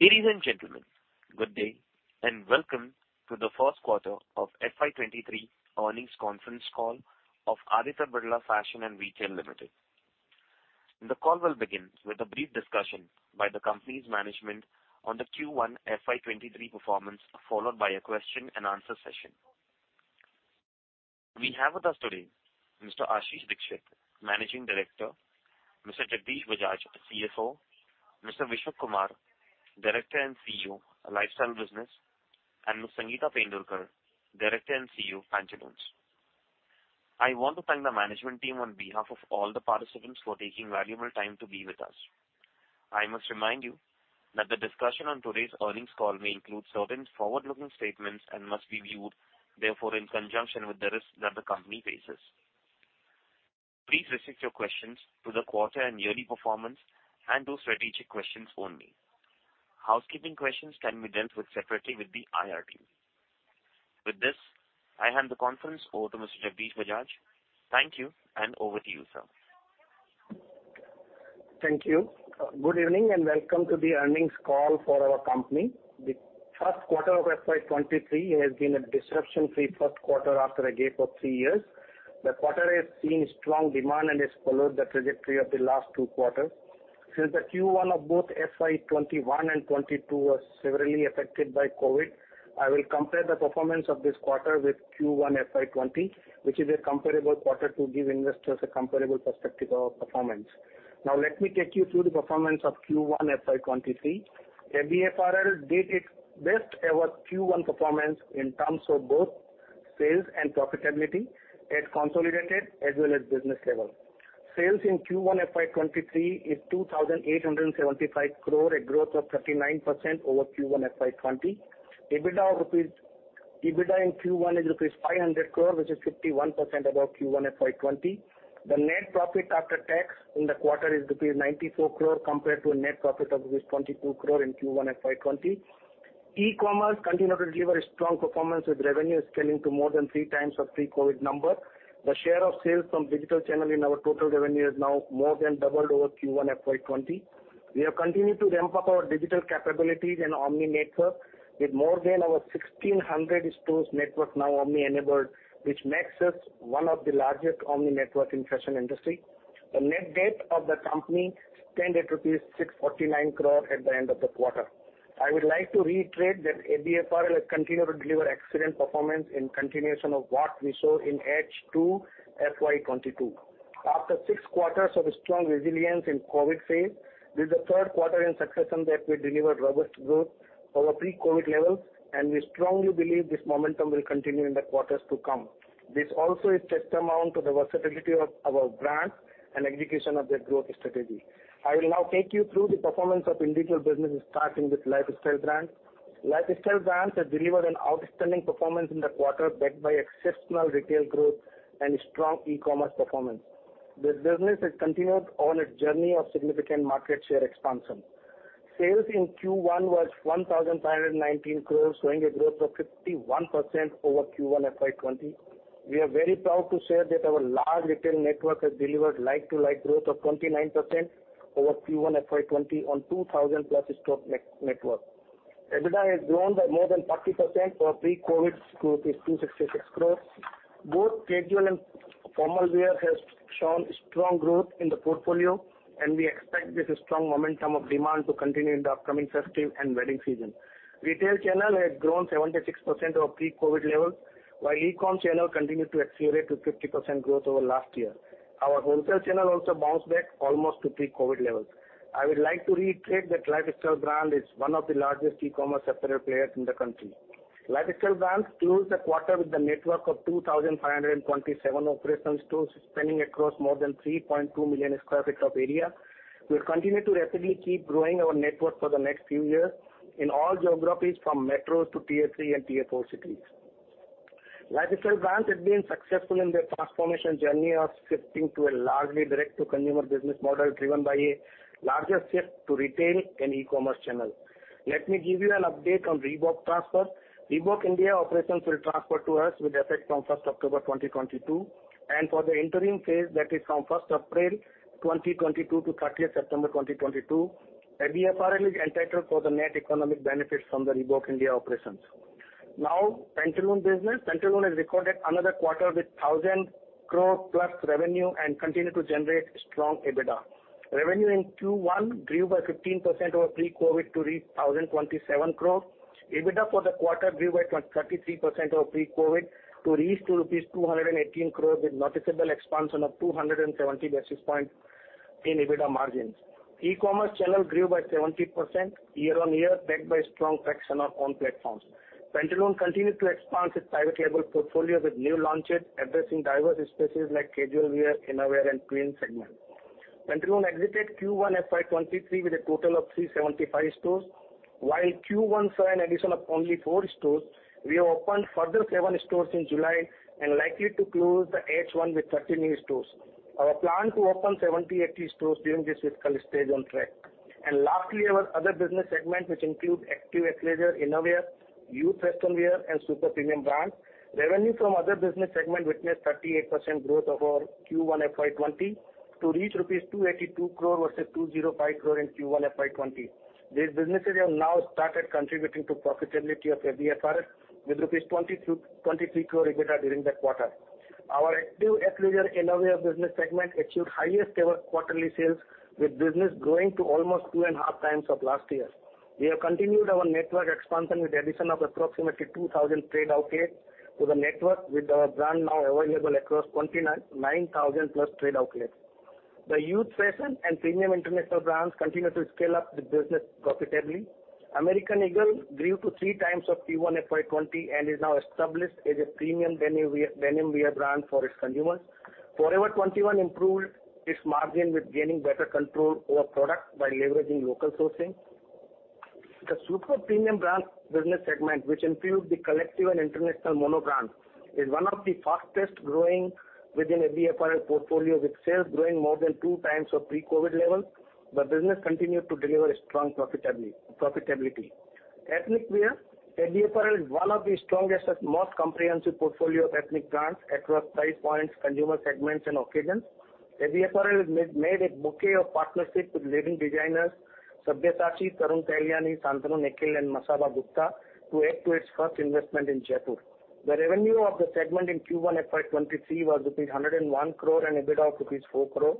Ladies and gentlemen, good day, and welcome to the First Quarter of FY 2023 Earnings Conference Call of Aditya Birla Fashion and Retail Limited. The call will begin with a brief discussion by the company's management on the Q1 FY 2023 performance, followed by a question and answer session. We have with us today Mr. Ashish Dikshit, Managing Director, Mr. Jagdish Bajaj, CFO, Mr. Vishak Kumar, Director and CEO, Lifestyle Business, and Ms. Sangeeta Pendurkar, Director and CEO, Pantaloons. I want to thank the management team on behalf of all the participants for taking valuable time to be with us. I must remind you that the discussion on today's earnings call may include certain forward-looking statements and must be viewed therefore in conjunction with the risks that the company faces. Please restrict your questions to the quarter and yearly performance and to strategic questions only. Housekeeping questions can be dealt with separately with the IR team. With this, I hand the conference over to Mr. Jagdish Bajaj. Thank you, and over to you, sir. Thank you. Good evening, and welcome to the earnings call for our company. The first quarter of FY 2023 has been a disruption-free first quarter after a gap of three years. The quarter has seen strong demand and has followed the trajectory of the last two quarters. Since the Q1 of both FY 2021 and 2022 was severely affected by COVID, I will compare the performance of this quarter with Q1 FY 2020, which is a comparable quarter to give investors a comparable perspective of our performance. Now let me take you through the performance of Q1 FY 2023. ABFRL did its best ever Q1 performance in terms of both sales and profitability at consolidated as well as business level. Sales in Q1 FY 2023 is 2,875 crore, a growth of 39% over Q1 FY 2020. EBITDA in Q1 is rupees 500 crore, which is 51% above Q1 FY 2020. The net profit after tax in the quarter is rupees 94 crore compared to a net profit of rupees 22 crore in Q1 FY 2020. E-commerce continued to deliver a strong performance, with revenue scaling to more than three times our pre-COVID number. The share of sales from digital channel in our total revenue is now more than doubled over Q1 FY 2020. We have continued to ramp up our digital capabilities and omni network, with more than our 1,600 stores network now omni-enabled, which makes us one of the largest omni network in fashion industry. The net debt of the company stand at rupees 649 crore at the end of the quarter. I would like to reiterate that ABFRL has continued to deliver excellent performance in continuation of what we saw in H2 FY 2022. After six quarters of strong resilience in COVID phase, this is the third quarter in succession that we delivered robust growth over pre-COVID levels, and we strongly believe this momentum will continue in the quarters to come. This also is testament to the versatility of our brand and execution of their growth strategy. I will now take you through the performance of individual businesses, starting with Lifestyle brand. Lifestyle brand has delivered an outstanding performance in the quarter, backed by exceptional retail growth and strong e-commerce performance. This business has continued on its journey of significant market share expansion. Sales in Q1 was 1,519 crores, showing a growth of 51% over Q1 FY 2020. We are very proud to share that our large retail network has delivered like-for-like growth of 29% over Q1 FY 2021-2022, 2000+ store network. EBITDA has grown by more than 30% over pre-COVID to 266 crore. Both casual and formal wear has shown strong growth in the portfolio, and we expect this strong momentum of demand to continue in the upcoming festive and wedding season. Retail channel has grown 76% over pre-COVID levels, while e-com channel continued to accelerate to 50% growth over last year. Our wholesale channel also bounced back almost to pre-COVID levels. I would like to reiterate that Lifestyle brand is one of the largest e-commerce apparel players in the country. Lifestyle brands closed the quarter with a network of 2,527 operational stores, spanning across more than 3.2 million sq ft of area. We'll continue to rapidly keep growing our network for the next few years in all geographies from metros to Tier 3 and Tier 4 cities. Lifestyle brands have been successful in their transformation journey of shifting to a largely direct-to-consumer business model, driven by a larger shift to retail and e-commerce channel. Let me give you an update on Reebok transfer. Reebok India operations will transfer to us with effect from 1st October 2022, and for the interim phase, that is from 1st April 2022 to 13th September 2022, ABFRL is entitled for the net economic benefits from the Reebok India operations. Now Pantaloons business. Pantaloons has recorded another quarter with 1,000 crore+ revenue and continued to generate strong EBITDA. Revenue in Q1 grew by 15% over pre-COVID to reach 1,027 crore. EBITDA for the quarter grew at 33% over pre-COVID to reach rupees 218 crore, with noticeable expansion of 270 basis points in EBITDA margins. E-commerce channel grew by 70% year-on-year, backed by strong traction on own platforms. Pantaloons continued to expand its private label portfolio with new launches addressing diverse spaces like casual wear, innerwear, and tween segment. Pantaloons exited Q1 FY 2023 with a total of 375 stores. While Q1 saw an addition of only three stores, we have opened further seven stores in July and likely to close the H1 with 13 new stores. Our plan to open 70-80 stores during this fiscal is stayed on track. Lastly, our other business segment, which includes Active athleisure, Innovia, youth western wear, and super premium brands. Revenue from other business segment witnessed 38% growth over Q1 FY2020 to reach rupees 282 crore versus 205 crore in Q1 FY2020. These businesses have now started contributing to profitability of ABFRL with 23 crore EBITDA during the quarter. Our active athleisure Innovia business segment achieved highest ever quarterly sales, with business growing to almost two and a half times of last year. We have continued our network expansion with addition of approximately 2,000 trade outlets to the network, with our brand now available across 29,900+ trade outlets. The youth fashion and premium international brands continue to scale up the business profitably. American Eagle grew to 3x Q1 FY20 and is now established as a premium denim wear brand for its consumers. Forever 21 improved its margin with gaining better control over product by leveraging local sourcing. The super-premium brands business segment, which includes The Collective and international mono-brands, is one of the fastest growing within ABFRL portfolio, with sales growing more than 2x pre-COVID levels. The business continued to deliver a strong profitability. Ethnic wear, ABFRL is one of the strongest and most comprehensive portfolio of Ethnic Brands across price points, consumer segments, and occasions. ABFRL has made a bouquet of partnerships with leading designers Sabyasachi, Tarun Tahiliani, Shantanu & Nikhil, and Masaba Gupta to add to its first investment in Jaipur. The revenue of the segment in Q1 FY 2023 was rupees 101 crore and EBITDA of rupees 4 crore.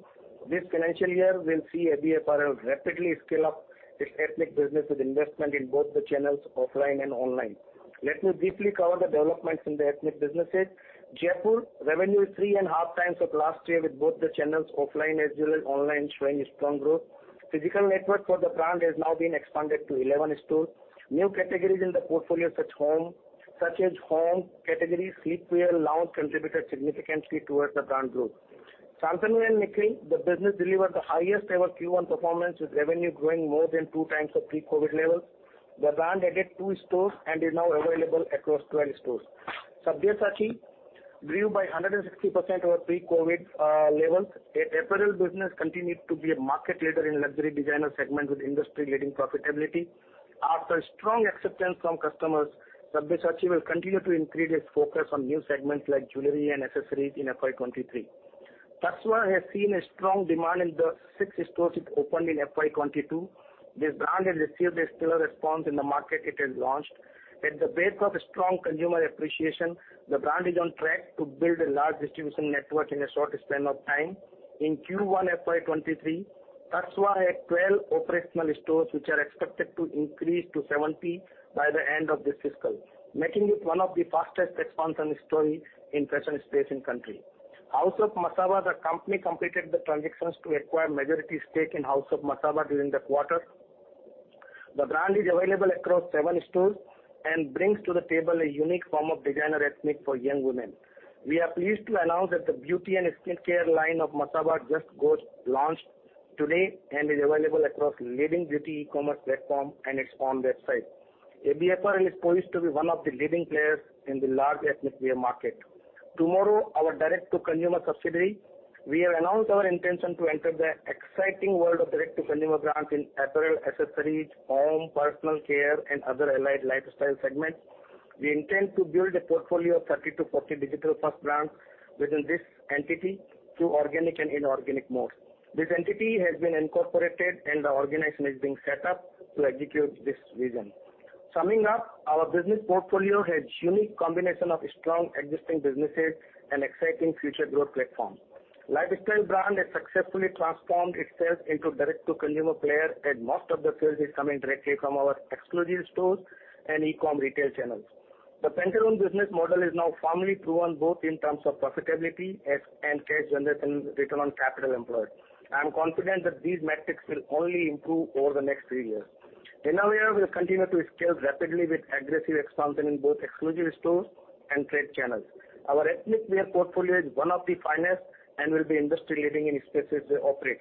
This financial year will see ABFRL rapidly scale up its Ethnic business with investment in both the channels, offline and online. Let me briefly cover the developments in the Ethnic businesses. Jaypore revenue is 3.5x of last year, with both the channels, offline as well as online, showing strong growth. Physical network for the brand has now been expanded to 11 stores. New categories in the portfolio such as home category, sleepwear, lounge, contributed significantly towards the brand growth. Shantanu & Nikhil, the business delivered the highest ever Q1 performance, with revenue growing more than 2x of pre-COVID levels. The brand added two stores and is now available across 12 stores. Sabyasachi grew by 160% over pre-COVID levels. Apparel business continued to be a market leader in luxury designer segment with industry-leading profitability. After strong acceptance from customers, Sabyasachi will continue to increase its focus on new segments like jewelry and accessories in FY 2023. Tasva has seen a strong demand in the six stores it opened in FY 2022. This brand has received a stellar response in the market it has launched. At the base of strong consumer appreciation, the brand is on track to build a large distribution network in a short span of time. In Q1 FY 2023, Tasva had 12 operational stores, which are expected to increase to 70 by the end of this fiscal, making it one of the fastest expansion story in fashion space in country. House of Masaba, the company completed the transactions to acquire majority stake in House of Masaba during the quarter. The brand is available across seven stores and brings to the table a unique form of designer ethnic for young women. We are pleased to announce that the beauty and skincare line of Masaba just got launched today and is available across leading beauty e-commerce platform and its own website. ABFRL is poised to be one of the leading players in the large ethnic wear market. Tomorrow, our direct-to-consumer subsidiary, we have announced our intention to enter the exciting world of direct-to-consumer brands in apparel, accessories, home, personal care, and other allied lifestyle segments. We intend to build a portfolio of 30-40 digital-first brands within this entity through organic and inorganic modes. This entity has been incorporated and the organization is being set up to execute this vision. Summing up, our business portfolio has unique combination of strong existing businesses and exciting future growth platform. Lifestyle Brand has successfully transformed itself into direct-to-consumer player, and most of the sales is coming directly from our exclusive stores and e-com retail channels. The Pantaloons business model is now firmly proven both in terms of profitability and cash generation return on capital employed. I am confident that these metrics will only improve over the next three years. Innerware will continue to scale rapidly with aggressive expansion in both exclusive stores and trade channels. Our Ethnic wear portfolio is one of the finest and will be industry-leading in spaces they operate.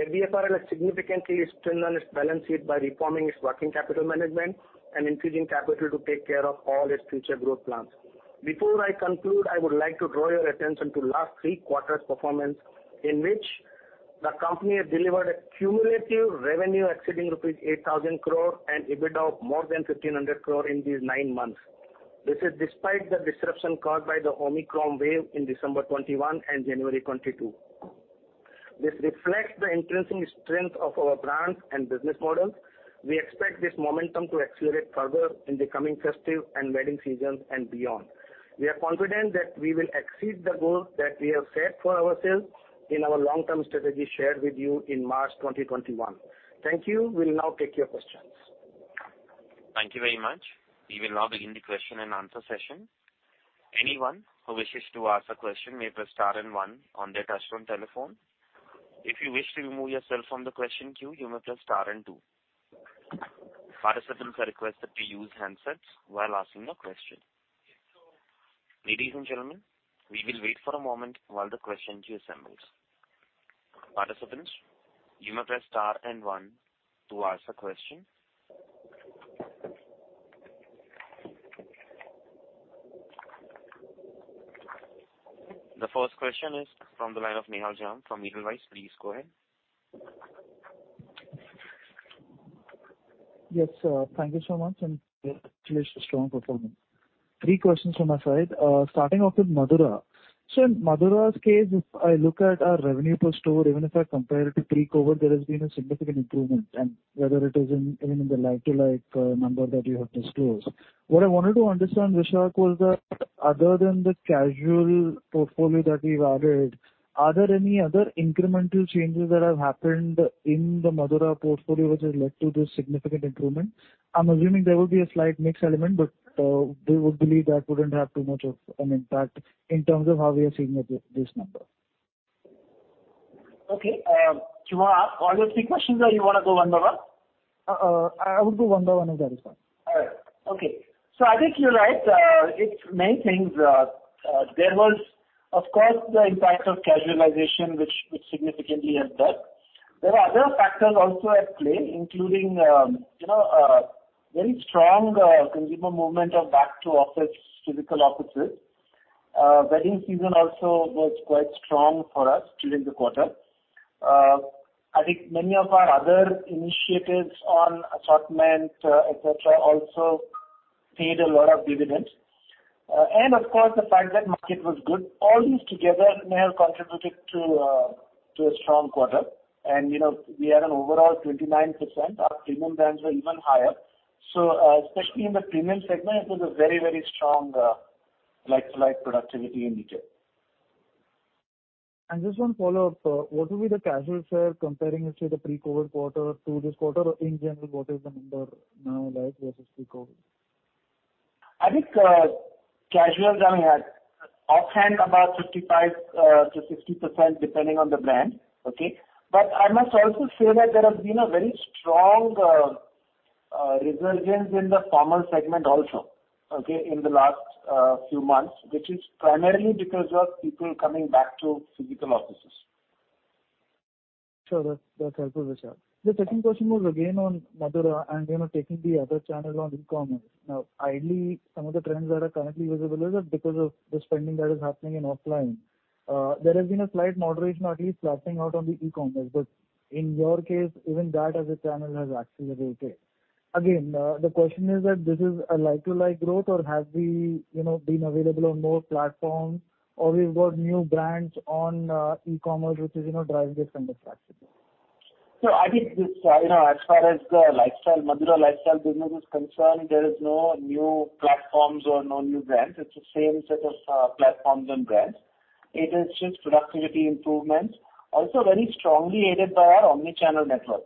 ABFRL has significantly strengthened its balance sheet by reforming its working capital management and increasing capital to take care of all its future growth plans. Before I conclude, I would like to draw your attention to last three quarters' performance, in which the company has delivered a cumulative revenue exceeding rupees 8,000 crore and EBITDA of more than 1,500 crore in these nine months. This is despite the disruption caused by the Omicron wave in December 2021 and January 2022. This reflects the intrinsic strength of our brands and business models. We expect this momentum to accelerate further in the coming festive and wedding seasons and beyond. We are confident that we will exceed the goal that we have set for ourselves in our long-term strategy shared with you in March 2021. Thank you. We'll now take your questions. Thank you very much. We will now begin the question and answer session. Anyone who wishes to ask a question may press star and one on their touchtone telephone. If you wish to remove yourself from the question queue, you may press star and two. Participants are requested to use handsets while asking a question. Ladies and gentlemen, we will wait for a moment while the question queue assembles. Participants, you may press star and one to ask a question. The first question is from the line of Nihal Jham from Edelweiss. Please go ahead. Yes, thank you so much, and congratulations for strong performance. Three questions from my side. Starting off with Madura. In Madura's case, if I look at our revenue per store, even if I compare it to pre-COVID, there has been a significant improvement and whether it is in, even in the like-for-like number that you have disclosed. What I wanted to understand, Vishak, was that other than the casual portfolio that we've added, are there any other incremental changes that have happened in the Madura portfolio which has led to this significant improvement? I'm assuming there will be a slight mix element, but we would believe that wouldn't have too much of an impact in terms of how we are seeing this number. Okay. Do you wanna ask all your three questions or you wanna go one by one? I would do one by one if that is fine. I think you're right. It's many things. There was, of course, the impact of casualization, which significantly helped us. There are other factors also at play, including, you know, very strong consumer movement of back to office, physical offices. Wedding season also was quite strong for us during the quarter. I think many of our other initiatives on assortment, et cetera, also paid a lot of dividends. Of course, the fact that market was good. All these together may have contributed to a strong quarter. You know, we are an overall 29%. Our premium brands were even higher. Especially in the premium segment, it was a very strong like-for-like productivity in retail. Just one follow-up. What will be the casual share comparing it to the pre-COVID quarter to this quarter? In general, what is the number now like versus pre-COVID? I think, casuals are at offhand about 55%-60%, depending on the brand. Okay? I must also say that there has been a very strong resurgence in the formal segment also, okay, in the last few months, which is primarily because of people coming back to physical offices. Sure. That's helpful, Vishak. The second question was again on Madura and, you know, taking the other channel on e-commerce. Now, ideally, some of the trends that are currently visible is that because of the spending that is happening in offline, there has been a slight moderation at least flattening out on the e-commerce. But in your case, even that as a channel has accelerated. Again, the question is that this is a like-for-like growth, or have we, you know, been available on more platforms or we've got new brands on, e-commerce which is, you know, driving this kind of traffic? I think this, you know, as far as the lifestyle, Madura Fashion & Lifestyle business is concerned, there is no new platforms or no new brands. It's the same set of platforms and brands. It is just productivity improvements, also very strongly aided by our omni-channel network.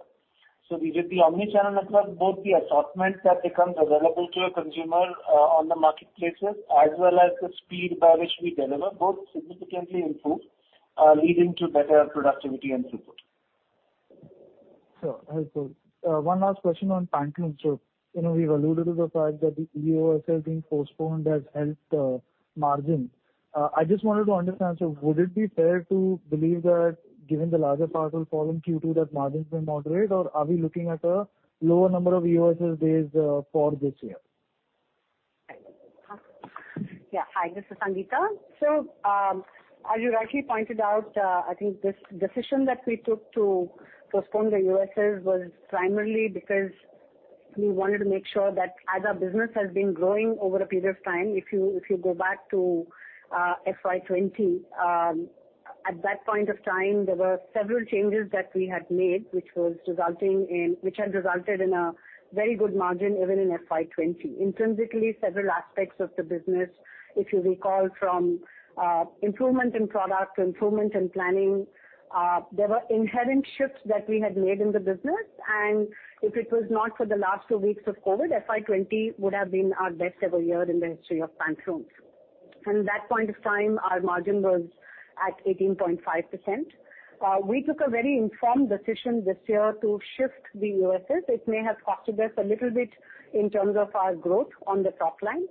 With the omni-channel network, both the assortments that becomes available to a consumer on the marketplaces as well as the speed by which we deliver, both significantly improved, leading to better productivity and throughput. Sure. Helpful. One last question on Pantaloons. You know, we've alluded to the fact that the EOSS has been postponed has helped margin. I just wanted to understand, would it be fair to believe that given the larger apparel problem Q2 that margins will moderate, or are we looking at a lower number of EOSS days for this year? Yeah. Hi, this is Sangeeta. As you rightly pointed out, I think this decision that we took to postpone the EOSS was primarily because we wanted to make sure that as our business has been growing over a period of time, if you go back to FY 2020, at that point of time, there were several changes that we had made, which had resulted in a very good margin even in FY 2020. Intrinsically, several aspects of the business, if you recall, from improvement in product, improvement in planning, there were inherent shifts that we had made in the business. If it was not for the last two weeks of COVID, FY 2020 would have been our best ever year in the history of Pantaloons. From that point of time, our margin was at 18.5%. We took a very informed decision this year to shift the EOSS. It may have cost us a little bit in terms of our growth on the top line.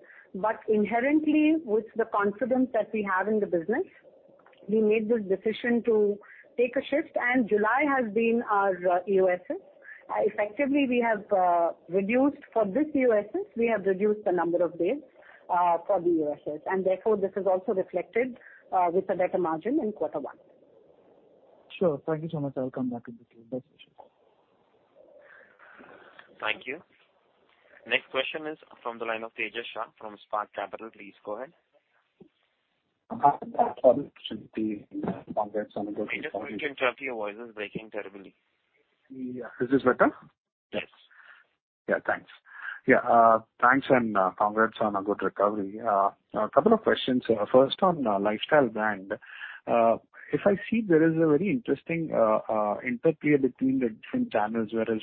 Inherently, with the confidence that we have in the business, we made this decision to take a shift, and July has been our EOSS. Effectively, we have reduced the number of days for the EOSS, and therefore this is also reflected with a better margin in quarter one. Sure. Thank you so much. I'll come back if required. Best wishes. Thank you. Next question is from the line of Tejas Shah from Spark Capital. Please go ahead. Congrats on a good recovery. Tejas, can you check? Your voice is breaking terribly. Yeah. Is this better? Yes. Yeah, thanks. Yeah, thanks and congrats on a good recovery. A couple of questions. First on Lifestyle Brand. If I see there is a very interesting interplay between the different channels, whereas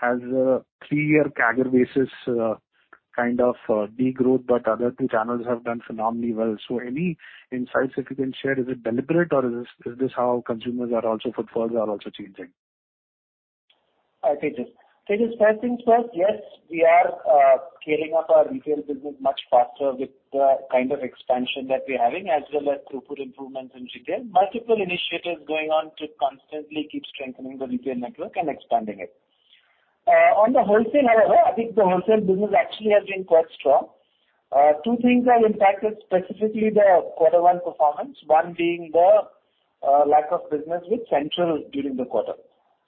wholesale has a three-year CAGR basis kind of degrowth, but other two channels have done phenomenally well. Any insights if you can share, is it deliberate or is this how consumers are also, footfalls are also changing? Hi, Tejas Shah. Tejas Shah, first things first, yes, we are scaling up our retail business much faster with the kind of expansion that we're having, as well as throughput improvements in retail. Multiple initiatives going on to constantly keep strengthening the retail network and expanding it. On the wholesale, however, I think the wholesale business actually has been quite strong. Two things have impacted specifically the quarter one performance. One being the lack of business with Central during the quarter.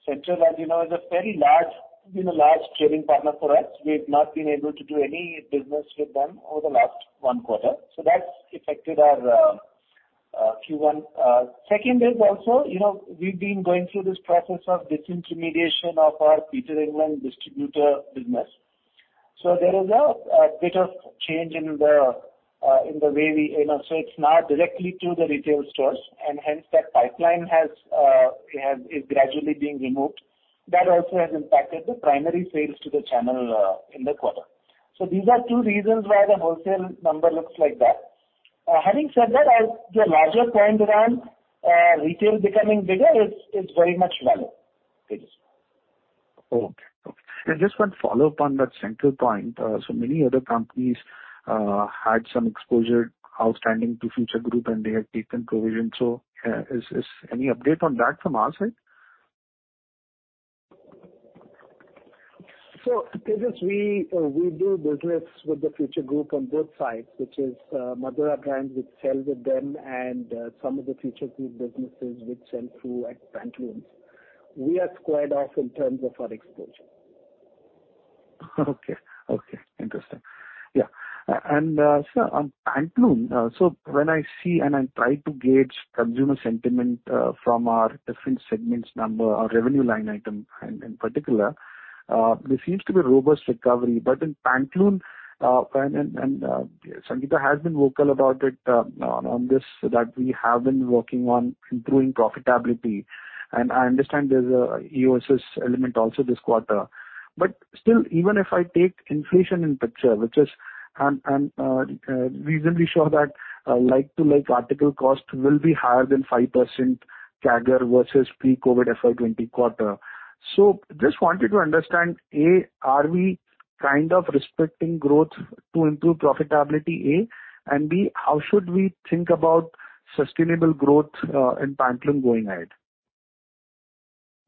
Central, as you know, is a very large, you know, large trading partner for us. We've not been able to do any business with them over the last one quarter, so that's affected our Q1. Second is also, you know, we've been going through this process of disintermediation of our Peter England distributor business. There is a bit of change. You know, it's now directly to the retail stores, and hence that pipeline is gradually being removed. That also has impacted the primary sales to the channel in the quarter. These are two reasons why the wholesale number looks like that. Having said that, the larger point around retail becoming bigger is very much valid. Tejas Shah. Okay. Just one follow-up on that Central point. Many other companies had some exposure outstanding to Future Group, and they had taken provision. Any update on that from our side? Tejas, we do business with the Future Group on both sides, which is Madura Fashion & Lifestyle, which sell with them, and some of the Future Group businesses which sell through at Pantaloons. We are squared off in terms of our exposure. Okay. Okay, interesting. Yeah. Sir, on Pantaloons, so when I see and I try to gauge consumer sentiment from our different segments, number our revenue line item in particular, there seems to be a robust recovery. In Pantaloons, Sangeeta has been vocal about it on this, that we have been working on improving profitability. I understand there's an EOSS element also this quarter. Still, even if I take inflation into the picture, which is, I'm reasonably sure that like-for-like article cost will be higher than 5% CAGR versus pre-COVID FY 2020 quarter. Just wanted to understand, A, are we kind of sacrificing growth to improve profitability, A? And B, how should we think about sustainable growth in Pantaloons going ahead?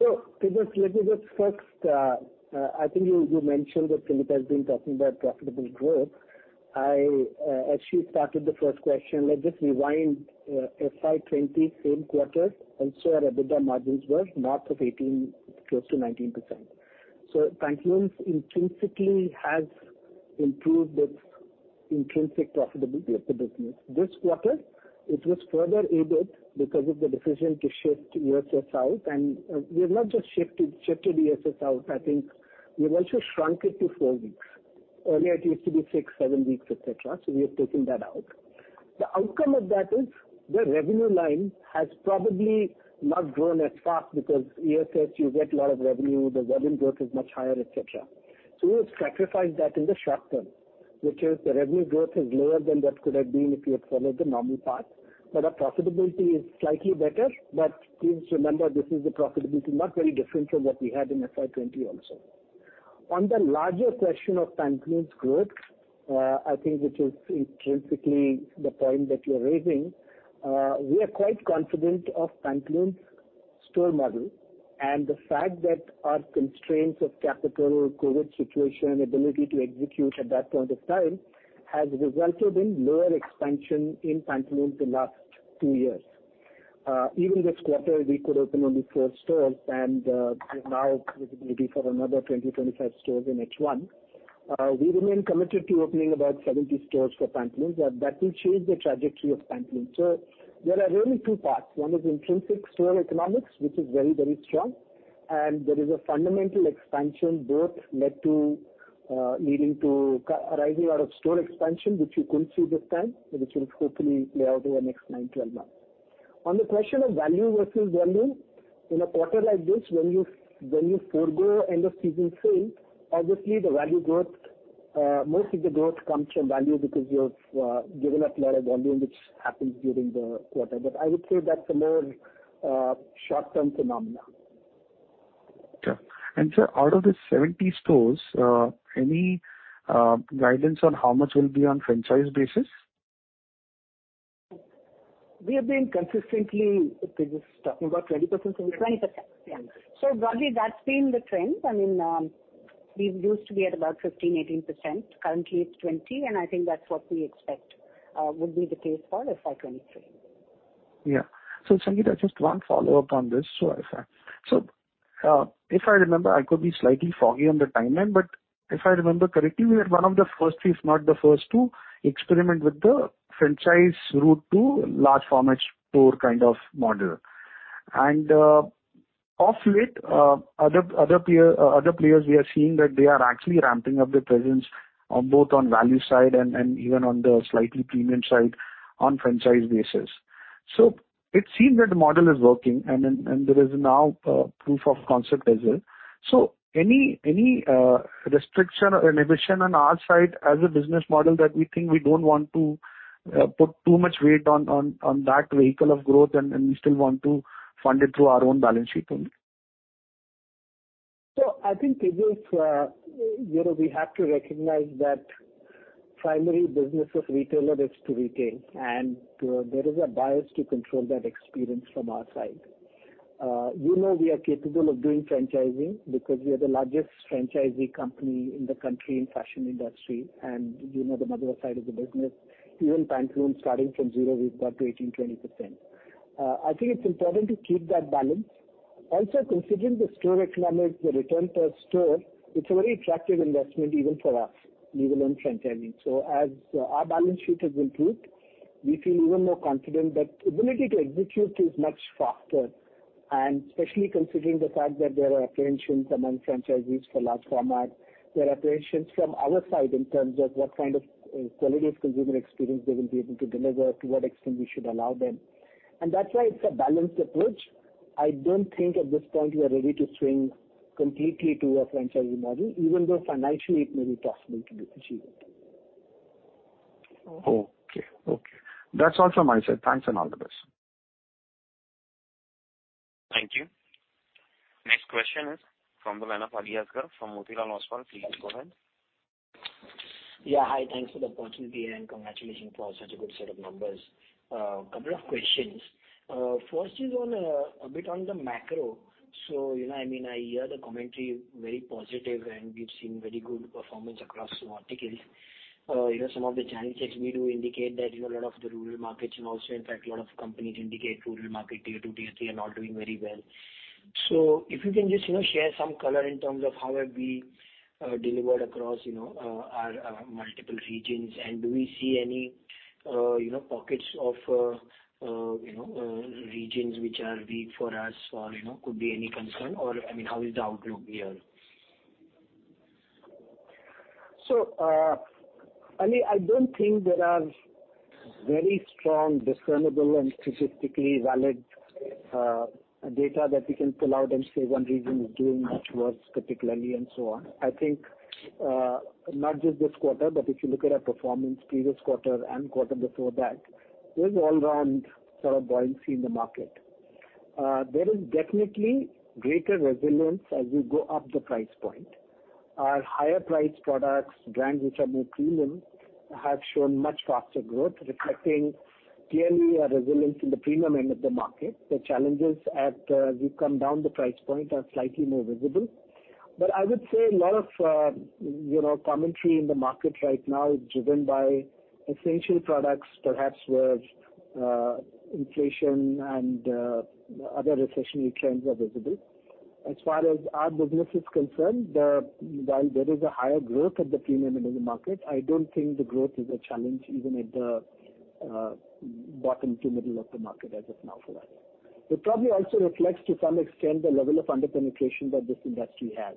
Tejas, let me just first, I think you mentioned that Sangeeta has been talking about profitable growth. I, as she started the first question, let's just rewind, FY 2020 same quarter, also our EBITDA margins were north of 18, close to 19%. Pantaloons intrinsically has improved its intrinsic profitability of the business. This quarter, it was further aided because of the decision to shift EOSS out. We have not just shifted EOSS out, I think we've also shrunk it to four weeks. Earlier it used to be seven, eight weeks, et cetera, so we have taken that out. The outcome of that is the revenue line has probably not grown as fast because EOSS you get a lot of revenue, the volume growth is much higher, et cetera. We have sacrificed that in the short term, which is the revenue growth is lower than what could have been if you had followed the normal path. Our profitability is slightly better. Please remember, this is the profitability not very different from what we had in FY 2020 also. On the larger question of Pantaloons growth, I think which is intrinsically the point that you're raising, we are quite confident of Pantaloons' store model. The fact that our constraints of capital, COVID situation, ability to execute at that point of time, has resulted in lower expansion in Pantaloons the last two years. Even this quarter we could open only four stores and, we have now visibility for another 20-25 stores in H1. We remain committed to opening about 70 stores for Pantaloons. That will change the trajectory of Pantaloons. There are really two parts. One is intrinsic store economics, which is very, very strong, and there is a fundamental expansion leading to a lot of store expansion, which you couldn't see this time, but which will hopefully play out over the next nine, 12 months. On the question of value versus volume, in a quarter like this, when you forego end of season sale, obviously the value growth, most of the growth comes from value because you've given up a lot of volume which happens during the quarter. I would say that's a more short-term phenomenon. Okay. Sir, out of the 70 stores, any guidance on how much will be on franchise basis? We have been consistently. Tejas Shah, talking about 20%. 20%, yeah. Broadly, that's been the trend. I mean, we used to be at about 15%, 18%. Currently it's 20%, and I think that's what we expect would be the case for FY 2023. Yeah. Sangeeta, just one follow-up on this. If I remember, I could be slightly foggy on the timeline, but if I remember correctly, we are one of the first, if not the first, to experiment with the franchise route to large format store kind of model. Of late, other peers, other players we are seeing that they are actually ramping up their presence on both the value side and even on the slightly premium side on franchise basis. It seems that the model is working and there is now proof of concept as well. Any restriction or inhibition on our side as a business model that we think we don't want to put too much weight on that vehicle of growth and we still want to fund it through our own balance sheet only? I think, Tejas Shah, you know, we have to recognize that primary business of retailer is to retail, and there is a bias to control that experience from our side. We know we are capable of doing franchising because we are the largest franchisee company in the country in fashion industry, and you know the Madura side of the business. Even Pantaloons, starting from zero, we've got to 18%-20%. I think it's important to keep that balance. Also considering the store economics, the return per store, it's a very attractive investment even for us, leave alone franchising. As our balance sheet has improved, we feel even more confident. Ability to execute is much faster, and especially considering the fact that there are apprehensions among franchisees for large format. There are apprehensions from our side in terms of what kind of quality of consumer experience they will be able to deliver, to what extent we should allow them. That's why it's a balanced approach. I don't think at this point we are ready to swing completely to a franchisee model, even though financially it may be possible to be achieved. Okay. That's all from my side. Thanks and all the best. Thank you. Next question is from the line of Aliasgar Shakir from Motilal Oswal. Please go ahead. Yeah. Hi. Thanks for the opportunity and congratulations for such a good set of numbers. Couple of questions. First is on a bit on the macro. You know, I mean, I hear the commentary very positive, and we've seen very good performance across verticals. You know, some of the channel checks we do indicate that, you know, lot of the rural markets and also in fact lot of companies indicate rural market, Tier 2, Tier 3 are not doing very well. If you can just, you know, share some color in terms of how have we delivered across, you know, our multiple regions. Do we see any, you know, pockets of regions which are weak for us or, you know, could be any concern or, I mean, how is the outlook here? Ali, I don't think there are very strong, discernible and statistically valid, data that we can pull out and say one region is doing much worse particularly and so on. I think, not just this quarter, but if you look at our performance previous quarter and quarter before that, there's all round sort of buoyancy in the market. There is definitely greater resilience as you go up the price point. Our higher priced products, brands which are more premium, have shown much faster growth, reflecting clearly a resilience in the premium end of the market. The challenges as you come down the price point are slightly more visible. I would say a lot of, you know, commentary in the market right now is driven by essential products, perhaps where, inflation and, other recessionary trends are visible. As far as our business is concerned, while there is a higher growth at the premium end of the market, I don't think the growth is a challenge even at the bottom to middle of the market as of now for us. It probably also reflects to some extent the level of under-penetration that this industry has.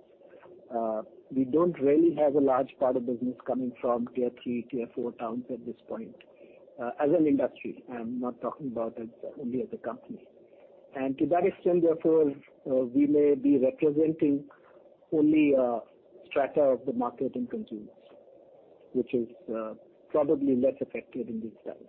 We don't really have a large part of business coming from Tier 3, Tier 4 towns at this point, as an industry. I'm not talking about it only as a Company. To that extent, therefore, we may be representing only a strata of the market and consumers, which is probably less affected in these times.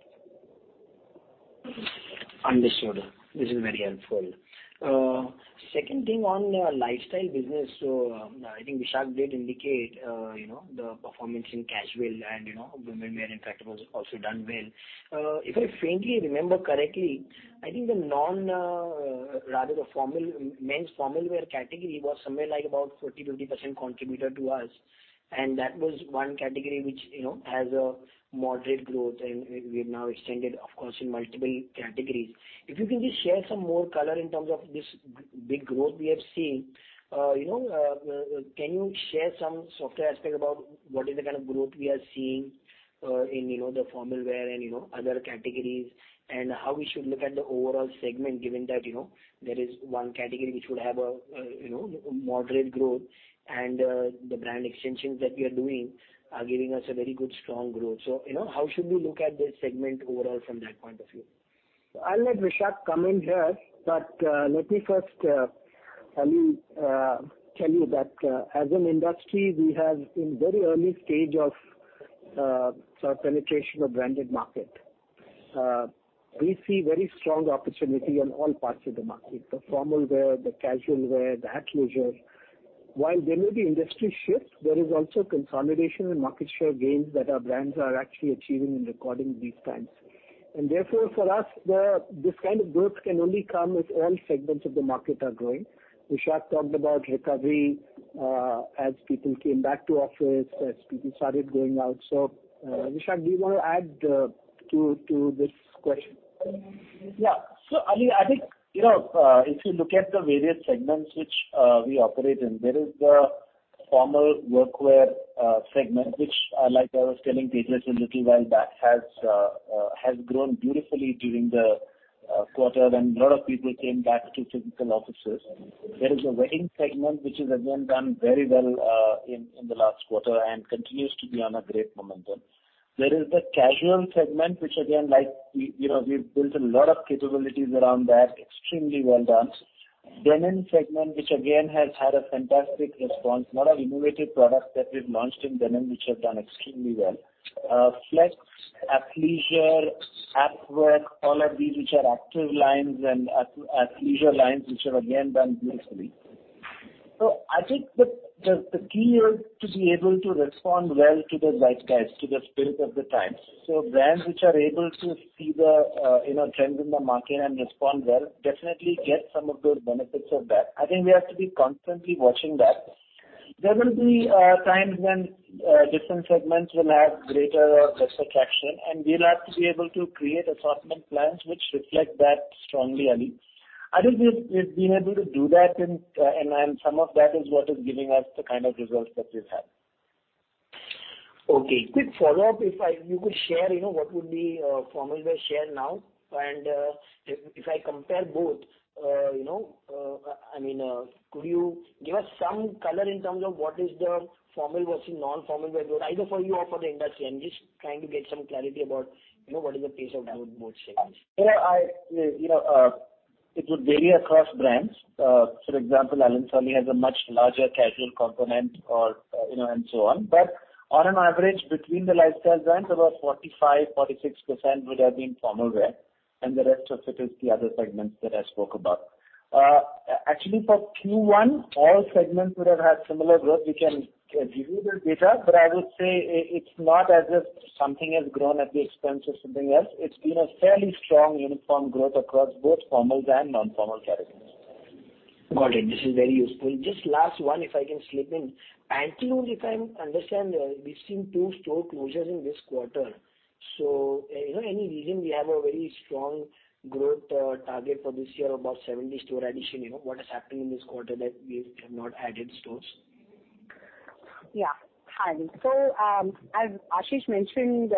Understood. This is very helpful. Second thing on Lifestyle Business. I think Vishak did indicate, you know, the performance in casual and, you know, women wear in fact was also done well. If I faintly remember correctly, I think rather the formal men's formal wear category was somewhere like about 40%-50% contributor to us, and that was one category which, you know, has a moderate growth and we've now extended of course in multiple categories. If you can just share some more color in terms of this big growth we have seen. You know, can you share some softer aspect about what is the kind of growth we are seeing, you know, in the formal wear and, you know, other categories? How we should look at the overall segment given that, you know, there is one category which would have a, you know, moderate growth and the brand extensions that we are doing are giving us a very good strong growth. You know, how should we look at this segment overall from that point of view? I'll let Vishak comment here, but let me first, Ali, tell you that as an industry, we have been very early stage of sort of penetration of branded market. We see very strong opportunity on all parts of the market, the formal wear, the casual wear, the athleisure. While there may be industry shifts, there is also consolidation and market share gains that our brands are actually achieving and recording these times. Therefore for us, this kind of growth can only come if all segments of the market are growing. Vishak talked about recovery, as people came back to office, as people started going out. So, Vishak, do you wanna add to this question? Yeah. Ali, I think, you know, if you look at the various segments which we operate in, there is the formal work wear segment which, like I was telling Tejas a little while back, has grown beautifully during the quarter when lot of people came back to physical offices. There is a wedding segment which has, again, done very well in the last quarter and continues to be on a great momentum. There is the casual segment which again, like, you know, we've built a lot of capabilities around that, extremely well done. Denim segment, which again has had a fantastic response. Lot of innovative products that we've launched in denim, which have done extremely well. Flex, athleisure, activewear, all of these which are active lines and athleisure lines which have again done beautifully. I think the key is to be able to respond well to the lifestyles, to the spirit of the times. Brands which are able to see the, you know, trend in the market and respond well, definitely get some of those benefits of that. I think we have to be constantly watching that. There will be times when different segments will have greater or lesser traction, and we'll have to be able to create assortment plans which reflect that strongly, Ali. I think we've been able to do that in and some of that is what is giving us the kind of results that we've had. Okay. Quick follow-up. If you could share, you know, what would be formal wear share now? If I compare both, you know, I mean, could you give us some color in terms of what is the formal versus non-formal wear growth, either for you or for the industry? I'm just trying to get some clarity about, you know, what is the pace of growth both shares. You know, I, you know, it would vary across brands. For example, Allen Solly has a much larger casual component or, you know, and so on. On an average between the lifestyle brands, about 45%-46% would have been formal wear, and the rest of it is the other segments that I spoke about. Actually for Q1, all segments would have had similar growth. We can give you the data, but I would say it's not as if something has grown at the expense of something else. It's been a fairly strong uniform growth across both formal and non-formal categories. Got it. This is very useful. Just last one, if I can slip in. Pantaloons, if I understand, we've seen two store closures in this quarter. So, you know, any reason we have a very strong growth target for this year, about 70 store addition? You know, what has happened in this quarter that we have not added stores? Yeah. Hi. As Ashish mentioned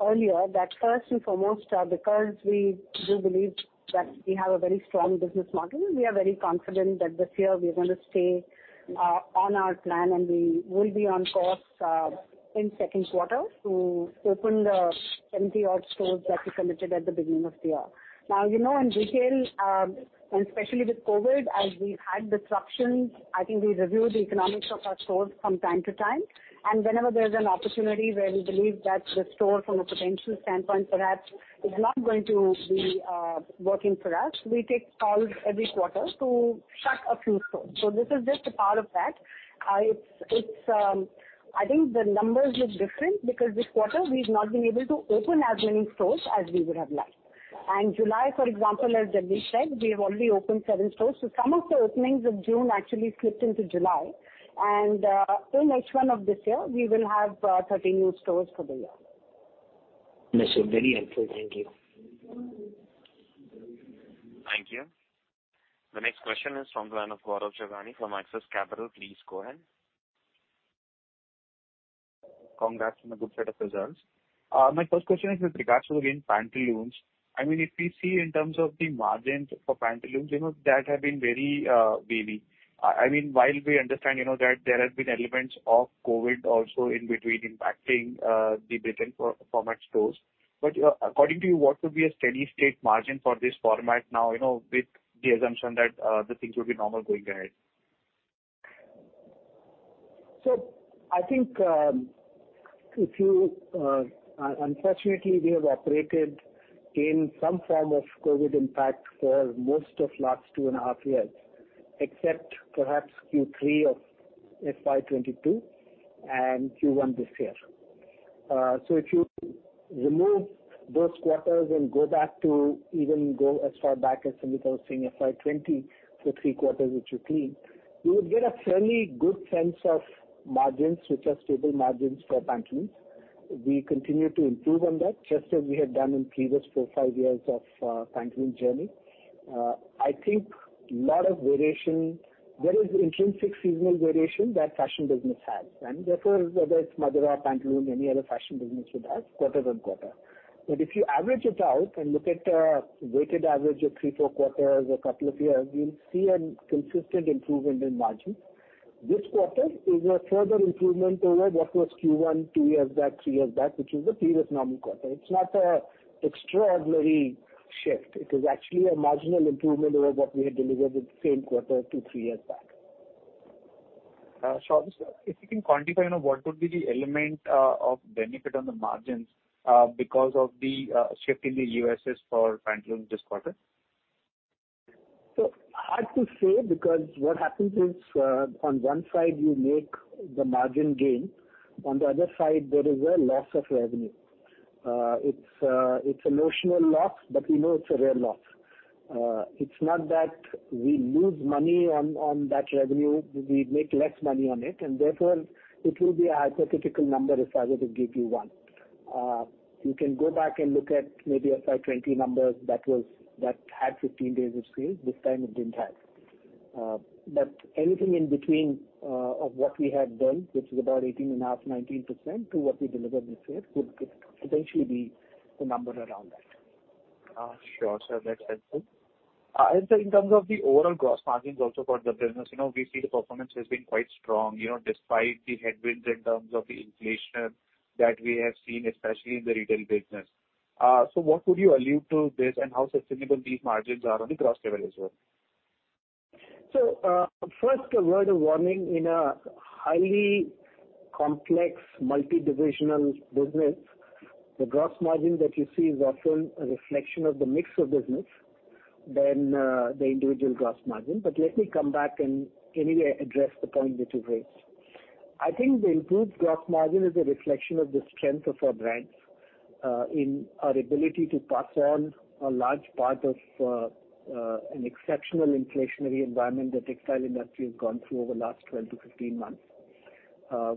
earlier that first and foremost, because we do believe that we have a very strong business model, we are very confident that this year we are gonna stay on our plan, and we will be on course in second quarter to open the 70-odd stores that we committed at the beginning of the year. Now, you know, in retail, and especially with COVID, as we've had disruptions, I think we review the economics of our stores from time to time. Whenever there's an opportunity where we believe that the store from a potential standpoint perhaps is not going to be working for us, we take calls every quarter to shut a few stores. This is just a part of that. It's. I think the numbers look different because this quarter we've not been able to open as many stores as we would have liked. July, for example, as Jagdish said, we have only opened seven stores. Some of the openings of June actually slipped into July. In H1 of this year, we will have 30 new stores for the year. This is very helpful. Thank you. Thank you. The next question is from the line of Gaurav Jagani from Axis Capital. Please go ahead. Congrats on a good set of results. My first question is with regard to again Pantaloons. I mean, if we see in terms of the margins for Pantaloons, you know, that have been very wavy. I mean, while we understand, you know, that there have been elements of COVID also in between impacting the business for format stores. According to you, what would be a steady state margin for this format now, you know, with the assumption that the things will be normal going ahead? I think, if you, unfortunately, we have operated in some form of COVID impact for most of last two and a half years, except perhaps Q3 of FY 2022 and Q1 this year. If you remove those quarters and go back to even as far back as some people saying FY 2020 for three quarters which are clean, you would get a fairly good sense of margins, which are stable margins for Pantaloons. We continue to improve on that, just as we have done in previous four, five years of Pantaloons' journey. I think lot of variation, there is intrinsic seasonal variation that fashion business has, and therefore, whether it's Madura, Pantaloons, any other fashion business would have quarter on quarter. If you average it out and look at a weighted average of three, four quarters, a couple of years, you'll see a consistent improvement in margins. This quarter is a further improvement over what was Q1 two years back, three years back, which is the previous normal quarter. It's not a extraordinary shift. It is actually a marginal improvement over what we had delivered the same quarter two, three years back. Sorry, sir. If you can quantify, you know, what would be the element of benefit on the margins because of the shift in the mix for Pantaloons this quarter? Hard to say because what happens is, on one side you make the margin gain, on the other side there is a loss of revenue. It's emotional loss, but we know it's a real loss. It's not that we lose money on that revenue. We make less money on it and therefore it will be a hypothetical number if I were to give you one. You can go back and look at maybe FY 2020 numbers that had 15 days of sales. This time it didn't have. Anything in between of what we had done, which is about 18.5, 19% to what we delivered this year would potentially be the number around that. Sure, sir. That's helpful. Sir, in terms of the overall gross margins also for the business, you know, we see the performance has been quite strong, you know, despite the headwinds in terms of the inflation that we have seen, especially in the retail business. What would you attribute this to and how sustainable these margins are on the gross level as well? First a word of warning. In a highly complex multi-divisional business. The gross margin that you see is also a reflection of the mix of business rather than the individual gross margin. Let me come back and anyway address the point that you've raised. I think the improved gross margin is a reflection of the strength of our brands, in our ability to pass on a large part of an exceptional inflationary environment the textile industry has gone through over the last 12 months-15 months.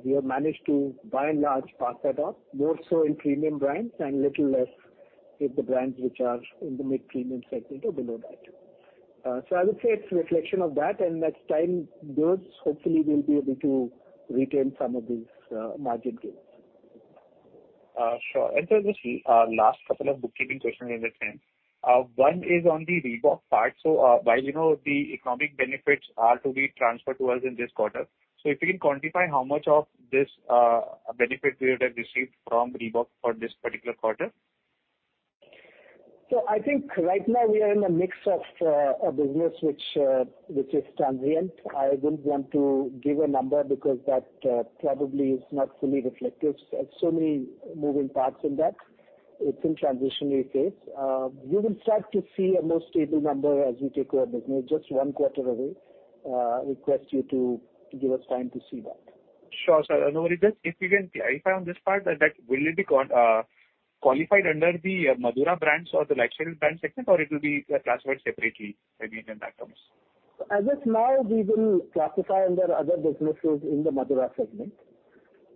We have managed to, by and large, pass that on, more so in premium brands and little less with the brands which are in the mid-premium segment or below that. I would say it's a reflection of that, and as time goes, hopefully we'll be able to retain some of these margin gains. Sure. Sir, just last couple of bookkeeping questions in this end. One is on the Reebok part. While we know the economic benefits are to be transferred to us in this quarter, if you can quantify how much of this benefit we would have received from Reebok for this particular quarter? I think right now we are in a mix of a business which is transient. I wouldn't want to give a number because that probably is not fully reflective. Many moving parts in that. It's in transitionary phase. You will start to see a more stable number as we take over business. Just one quarter away, request you to give us time to see that. Sure, sir. No worries there. If you can clarify on this part that will it be qualified under the Madura brands or the Lifestyle brand segment or it will be classified separately when the impact comes? As of now, we will classify under other businesses in the Madura segment.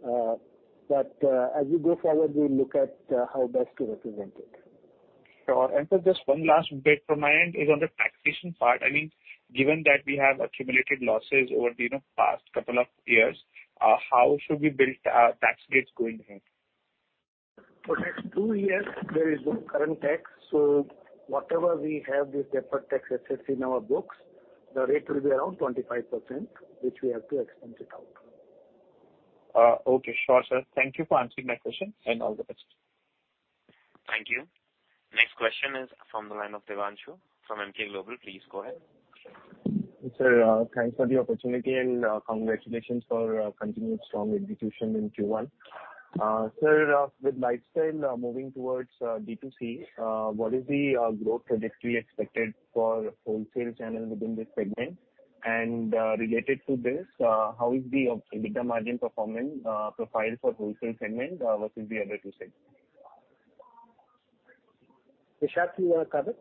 But as we go forward, we'll look at how best to represent it. Sure. Sir, just one last bit from my end is on the taxation part. I mean, given that we have accumulated losses over you know past couple of years, how should we build tax gates going ahead? For next two years, there is no current tax. So whatever we have this deferred tax assets in our books, the rate will be around 25%, which we have to expense it out. Okay. Sure, sir. Thank you for answering my questions and all the best. Thank you. Next question is from the line of Devanshu from Emkay Global. Please go ahead. Sir, thanks for the opportunity and congratulations for continued strong execution in Q1. Sir, with Lifestyle moving towards D2C, what is the growth trajectory expected for wholesale channel within this segment? Related to this, how is the EBITDA margin performance profile for wholesale segment versus the other two segments? Vishak, do you wanna cover it?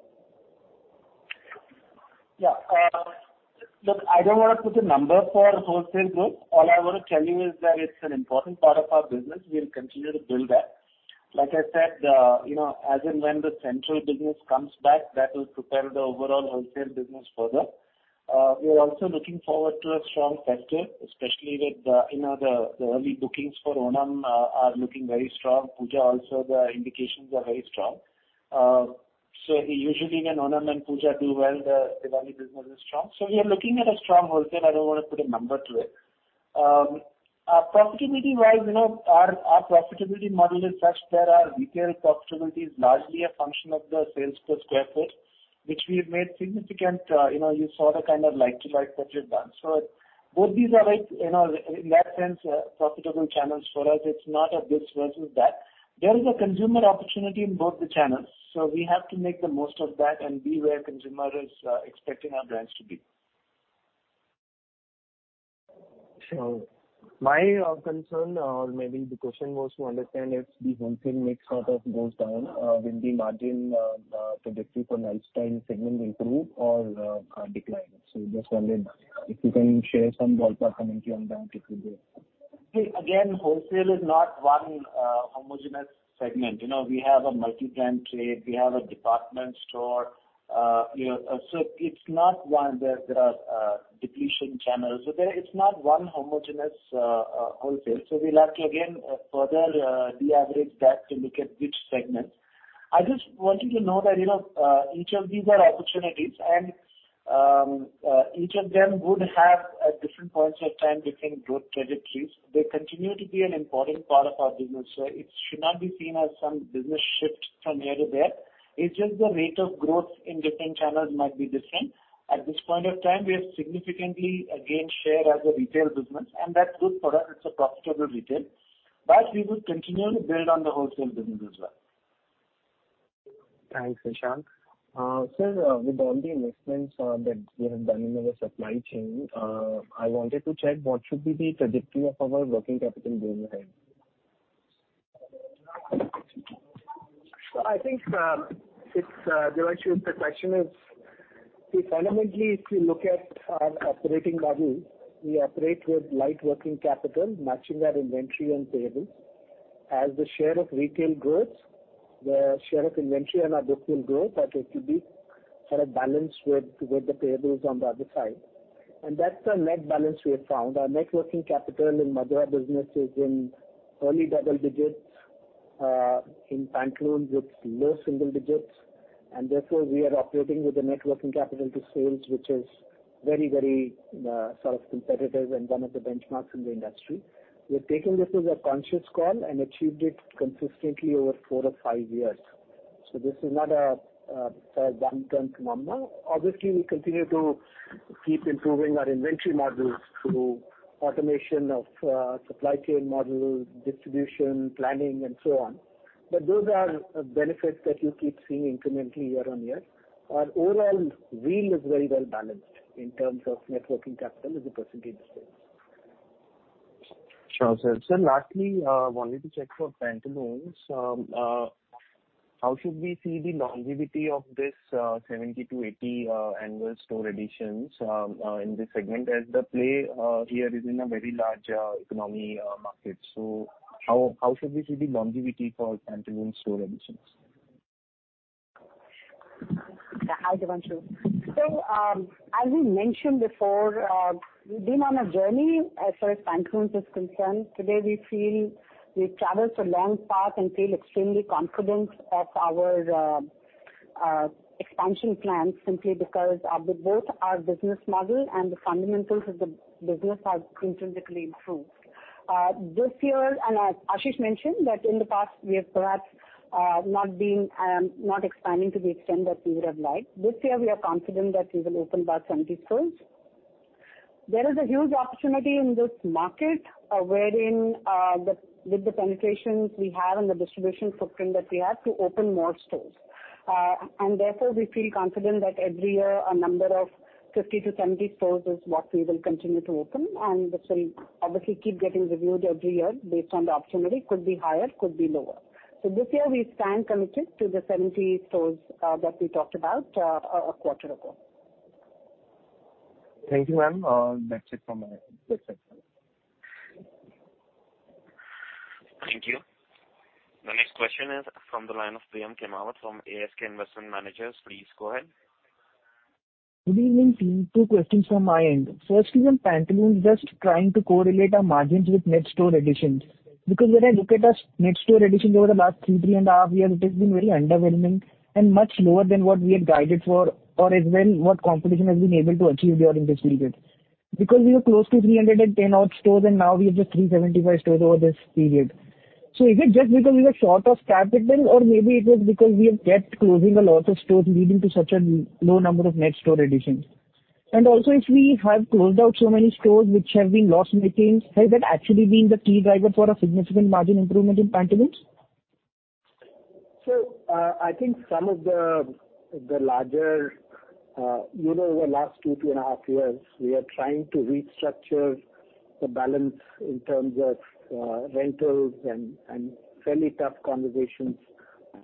Yeah. Look, I don't wanna put a number for wholesale growth. All I wanna tell you is that it's an important part of our business. We'll continue to build that. Like I said, you know, as and when the Central business comes back, that will prepare the overall wholesale business further. We are also looking forward to a strong festive, especially with, you know, the early bookings for Onam are looking very strong. Puja also the indications are very strong. We usually when Onam and Puja do well, the Diwali business is strong. We are looking at a strong wholesale. I don't wanna put a number to it. Profitability-wise, you know, our profitability model is such that our retail profitability is largely a function of the sales per square foot, which we have made significant, you know, you saw the kind of like to like that we've done. Both these are like, you know, in that sense, profitable channels for us. It's not a this versus that. There is a consumer opportunity in both the channels, so we have to make the most of that and be where consumer is, expecting our brands to be. Sure. My concern or maybe the question was to understand if the wholesale mix sort of goes down, will the margin trajectory for Lifestyle segment improve or decline? Just wanted if you can share some ballpark commentary on that, it will be. Again, wholesale is not one homogeneous segment. You know, we have a multi-brand trade, we have a department store, you know. It's not one where there are different channels. It's not one homogeneous wholesale. We'll have to again further de-average that to look at each segment. I just want you to know that, each of these are opportunities and, each of them would have at different points of time, different growth trajectories. They continue to be an important part of our business. It should not be seen as some business shift from here to there. It's just the rate of growth in different channels might be different. At this point of time, we have a significant share again as a retail business and that's good for us. It's a profitable retail. We will continually build on the wholesale business as well. Thanks, Vishak. Sir, with all the investments that we have done in our supply chain, I wanted to check what should be the trajectory of our working capital going ahead? I think, Devanshu, if the question is, see fundamentally, if you look at our operating model, we operate with light working capital matching our inventory and payables. As the share of retail grows, the share of inventory on our book will grow, but it will be sort of balanced with the payables on the other side. That's the net balance we have found. Our net working capital in Madura business is in early double digits, in Pantaloons it's low single digits, and therefore we are operating with a net working capital to sales, which is very, very sort of competitive and one of the benchmarks in the industry. We've taken this as a conscious call and achieved it consistently over four or five years. This is not a one-time phenomenon. Obviously, we continue to keep improving our inventory models through automation of supply chain model, distribution, planning, and so on. Those are benefits that you keep seeing incrementally year on year. Our overall wheel is very well balanced in terms of net working capital as a percentage. Sure, sir. Sir, lastly, wanted to check for Pantaloons. How should we see the longevity of this 70-80 annual store additions in this segment, as the play here is in a very large economic market? How should we see the longevity for Pantaloons store additions? Hi, Devanshu. As we mentioned before, we've been on a journey as far as Pantaloons is concerned. Today, we feel we've traveled a long path and feel extremely confident of our expansion plans simply because both our business model and the fundamentals of the business have intrinsically improved. This year, and as Ashish mentioned, that in the past we have perhaps not been expanding to the extent that we would have liked. This year we are confident that we will open about 70 stores. There is a huge opportunity in this market, wherein with the penetrations we have and the distribution footprint that we have to open more stores. Therefore, we feel confident that every year a number of 50-70 stores is what we will continue to open, and this will obviously keep getting reviewed every year based on the opportunity, could be higher, could be lower. This year we stand committed to the 70 stores that we talked about a quarter ago. Thank you, ma'am. That's it from my end. Yes, sure. Thank you. The next question is from the line of Priyam Khimawat from ASK Investment Managers. Please go ahead. Good evening, team. Two questions from my end. First is on Pantaloons, just trying to correlate our margins with net store additions. Because when I look at our net store additions over the last three and a half years, it has been very underwhelming and much lower than what we had guided for or as well what competition has been able to achieve during this period. Because we were close to 310-odd stores, and now we have just 375 stores over this period. Is it just because we were short of capital or maybe it was because we have kept closing a lot of stores leading to such a low number of net store additions? If we have closed out so many stores which have been loss-making, has that actually been the key driver for a significant margin improvement in Pantaloons? I think some of the larger. You know, over the last two and a half years, we are trying to restructure the balance in terms of rentals and fairly tough conversations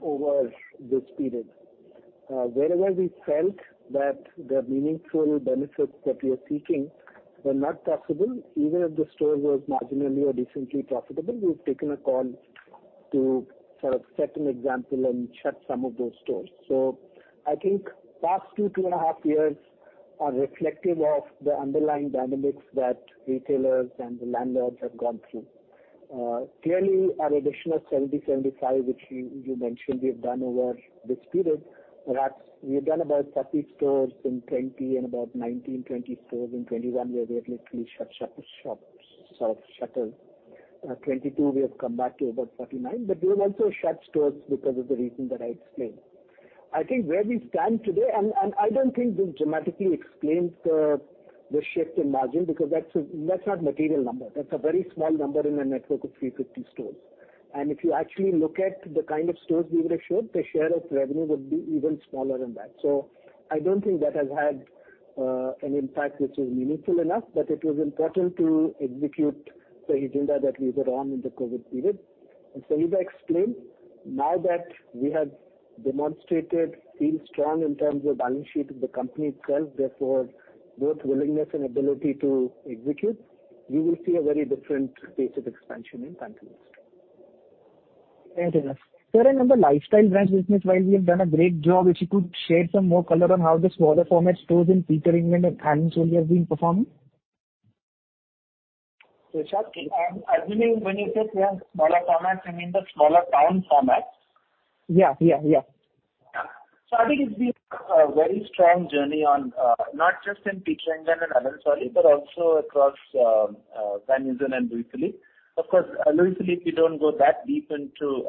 over this period. Wherever we felt that the meaningful benefits that we are seeking were not possible, even if the store was marginally or decently profitable, we've taken a call to sort of set an example and shut some of those stores. I think past two and a half years are reflective of the underlying dynamics that retailers and the landlords have gone through. Clearly, our addition of 70-75, which you mentioned we have done over this period, perhaps we have done about 30 stores in 2020 and about 19-20 stores in 2021, where we have literally shut the shops, sort of shuttered. 2022, we have come back to about 39. We have also shut stores because of the reasons that I explained. I think where we stand today. I don't think this dramatically explains the shift in margin because that's not a material number. That's a very small number in a network of 350 stores. If you actually look at the kind of stores we would have shut, the share of revenue would be even smaller than that. I don't think that has had an impact which is meaningful enough, but it was important to execute the agenda that we were on in the COVID period. As Sangeeta Pendurkar explained, now that we have demonstrated feel strong in terms of balance sheet of the company itself, therefore both willingness and ability to execute, you will see a very different pace of expansion in Pantaloons. Fair enough. Sir, on the Lifestyle Brands business, while we have done a great job, if you could share some more color on how the smaller format stores in Peter England and Allen Solly have been performing? Priyam Khimawat, I'm assuming when you say, yeah, smaller formats, you mean the smaller town formats? Yeah, yeah. I think it's been a very strong journey on, not just in Peter England and Allen Solly, but also across Van Heusen and Louis Philippe. Of course, Louis Philippe, we don't go that deep into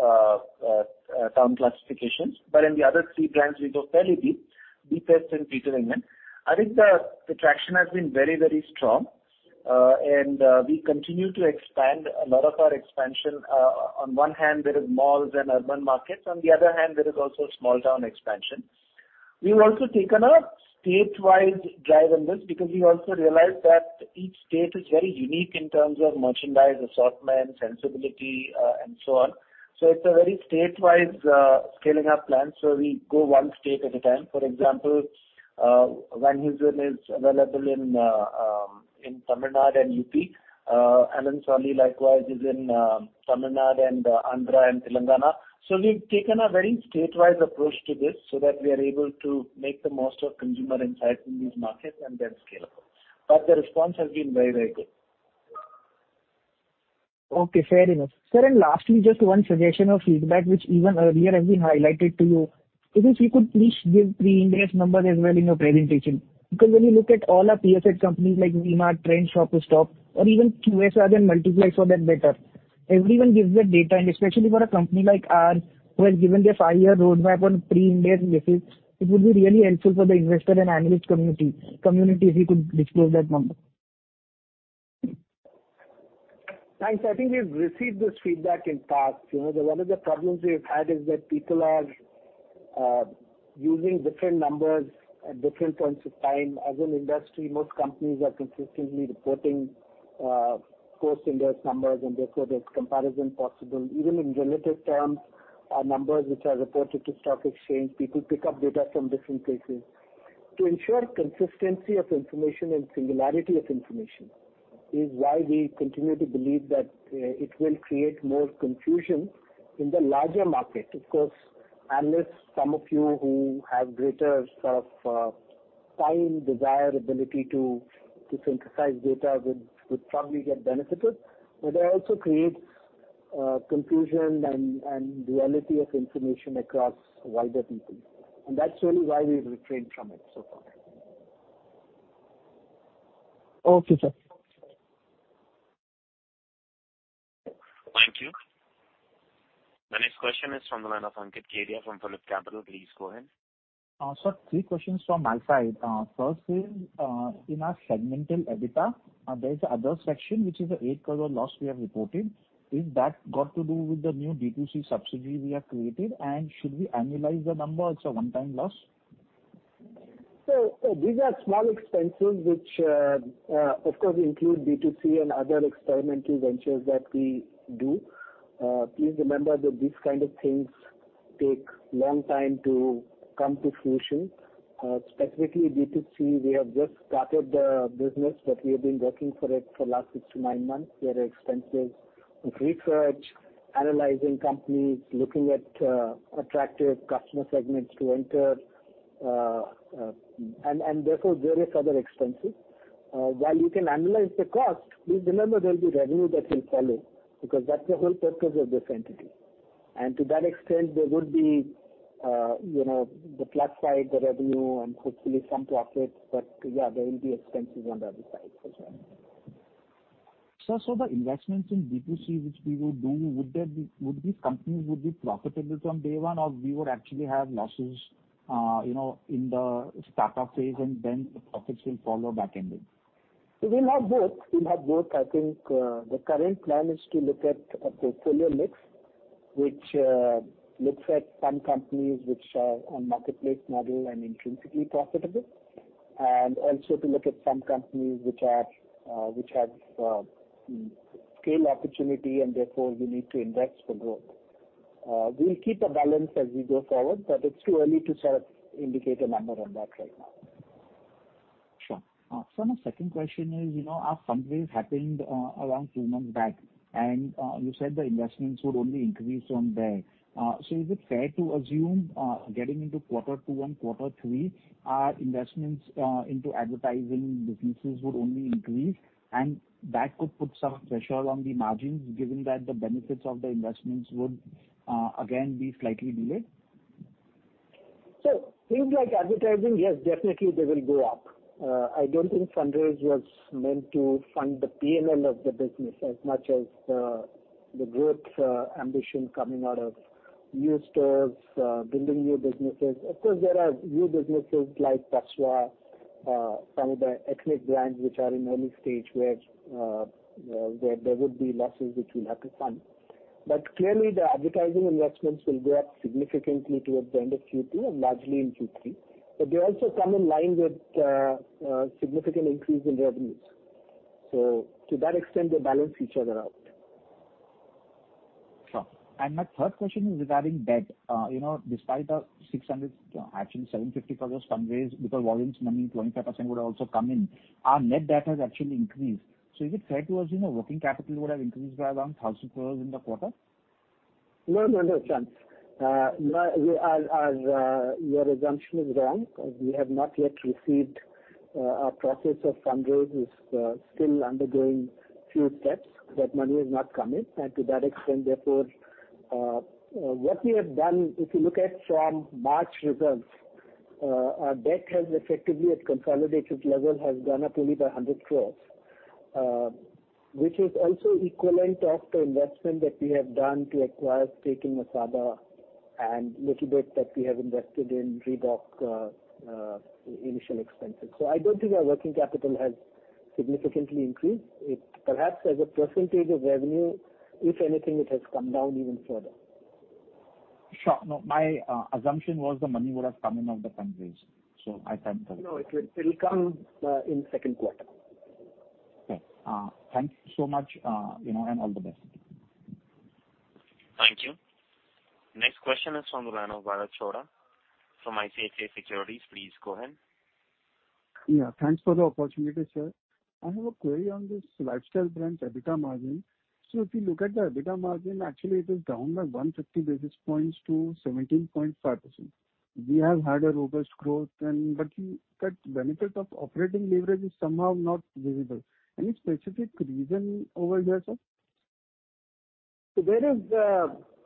town classifications, but in the other three brands, we go fairly deep, deepest in Peter England. I think the traction has been very strong. We continue to expand a lot of our expansion. On one hand, there is malls and urban markets. On the other hand, there is also small town expansion. We've also taken a statewide drive on this because we also realized that each state is very unique in terms of merchandise, assortment, sensibility, and so on. It's a very statewide scaling up plan. We go one state at a time. For example, Van Heusen is available in Tamil Nadu and UP. Allen Solly likewise is in Tamil Nadu and Andhra and Telangana. We've taken a very state-wide approach to this so that we are able to make the most of consumer insights in these markets and then scale up. The response has been very, very good. Okay, fair enough. Sir, lastly, just one suggestion or feedback which even earlier has been highlighted to you. If you could please give pre-index number as well in your presentation, because when you look at all our peer set companies like DMart, Trent, Shoppers Stop or even QSR then Multiply show that better. Everyone gives that data, and especially for a company like ours who has given their five-year roadmap on pre-index basis, it would be really helpful for the investor and analyst community if you could disclose that number. Thanks. I think we've received this feedback in past. You know, one of the problems we've had is that people are using different numbers at different points of time. As an industry, most companies are consistently reporting post-index numbers and therefore there's comparison possible. Even in relative terms, our numbers which are reported to stock exchange, people pick up data from different places. To ensure consistency of information and singularity of information is why we continue to believe that it will create more confusion in the larger market. Of course, unless some of you who have greater sort of time, desire, ability to synthesize data would probably get benefited. But it also creates confusion and duality of information across wider people, and that's really why we've refrained from it so far. Okay, sir. Thank you. The next question is from the line of Ankit Kedia from PhillipCapital. Please go ahead. Sir, three questions from my side. First is, in our segmental EBITDA, there is other section which is 8 crore loss we have reported. Is that got to do with the new B2C subsidiary we have created? Should we annualize the number? It's a one-time loss. These are small expenses which, of course, include B2C and other experimental ventures that we do. Please remember that these kind of things take long time to come to fruition. Specifically B2C, we have just started the business, but we have been working for it for last 6 to nine months. There are expenses with research, analyzing companies, looking at attractive customer segments to enter, and therefore various other expenses. While you can annualize the cost, please remember there'll be revenue that will follow because that's the whole purpose of this entity. To that extent, there would be, you know, the plus side, the revenue and hopefully some profits. Yeah, there will be expenses on the other side as well. Sir, the investments in B2C which we would do, would these companies be profitable from day one or we would actually have losses, you know, in the startup phase and then the profits will follow back ending? It will have both. I think the current plan is to look at a portfolio mix which looks at some companies which are on marketplace model and intrinsically profitable, and also to look at some companies which have scale opportunity and therefore we need to invest for growth. We'll keep a balance as we go forward, but it's too early to sort of indicate a number on that right now. Sure. Sir, my second question is, you know, our fundraise happened around two months back, and you said the investments would only increase from there. Is it fair to assume, getting into quarter two and quarter three, our investments into advertising businesses would only increase and that could put some pressure on the margins given that the benefits of the investments would again be slightly delayed? Things like advertising, yes, definitely they will go up. I don't think fundraise was meant to fund the P&L of the business as much as the growth ambition coming out of new stores, building new businesses. Of course, there are new businesses like Tasva, some of the ethnic brands which are in early stage where there would be losses which we'll have to fund. Clearly, the advertising investments will go up significantly towards the end of Q2 and largely in Q3. They also come in line with significant increase in revenues. To that extent, they balance each other out. Sure. My third question is regarding debt. You know, despite the 600, actually 750 crores fundraise because warrants money 25% would also come in, our net debt has actually increased. Is it fair to assume working capital would have increased by around 1,000 crores in the quarter? No chance. Your assumption is wrong. We have not yet received, our process of fundraise is still undergoing few steps. That money has not come in. To that extent, therefore, what we have done, if you look at from March results, our debt has effectively at consolidated level gone up only by 100 crore, which is also equivalent of the investment that we have done to acquire stake in Masaba and little bit that we have invested in Reebok initial expenses. I don't think our working capital has significantly increased. It perhaps as a percentage of revenue, if anything, it has come down even further. Sure. No, my assumption was the money would have come in off the fundraise. I timed that. No, it will come in second quarter. Okay. Thanks so much, you know, and all the best. Thank you. Next question is from the line of Bharat Chhoda from ICICI Securities. Please go ahead. Yeah, thanks for the opportunity, sir. I have a query on this Lifestyle brand EBITDA margin. If you look at the EBITDA margin, actually it is down by 150 basis points to 17.5%. We have had a robust growth and but that benefit of operating leverage is somehow not visible. Any specific reason over here, sir? There is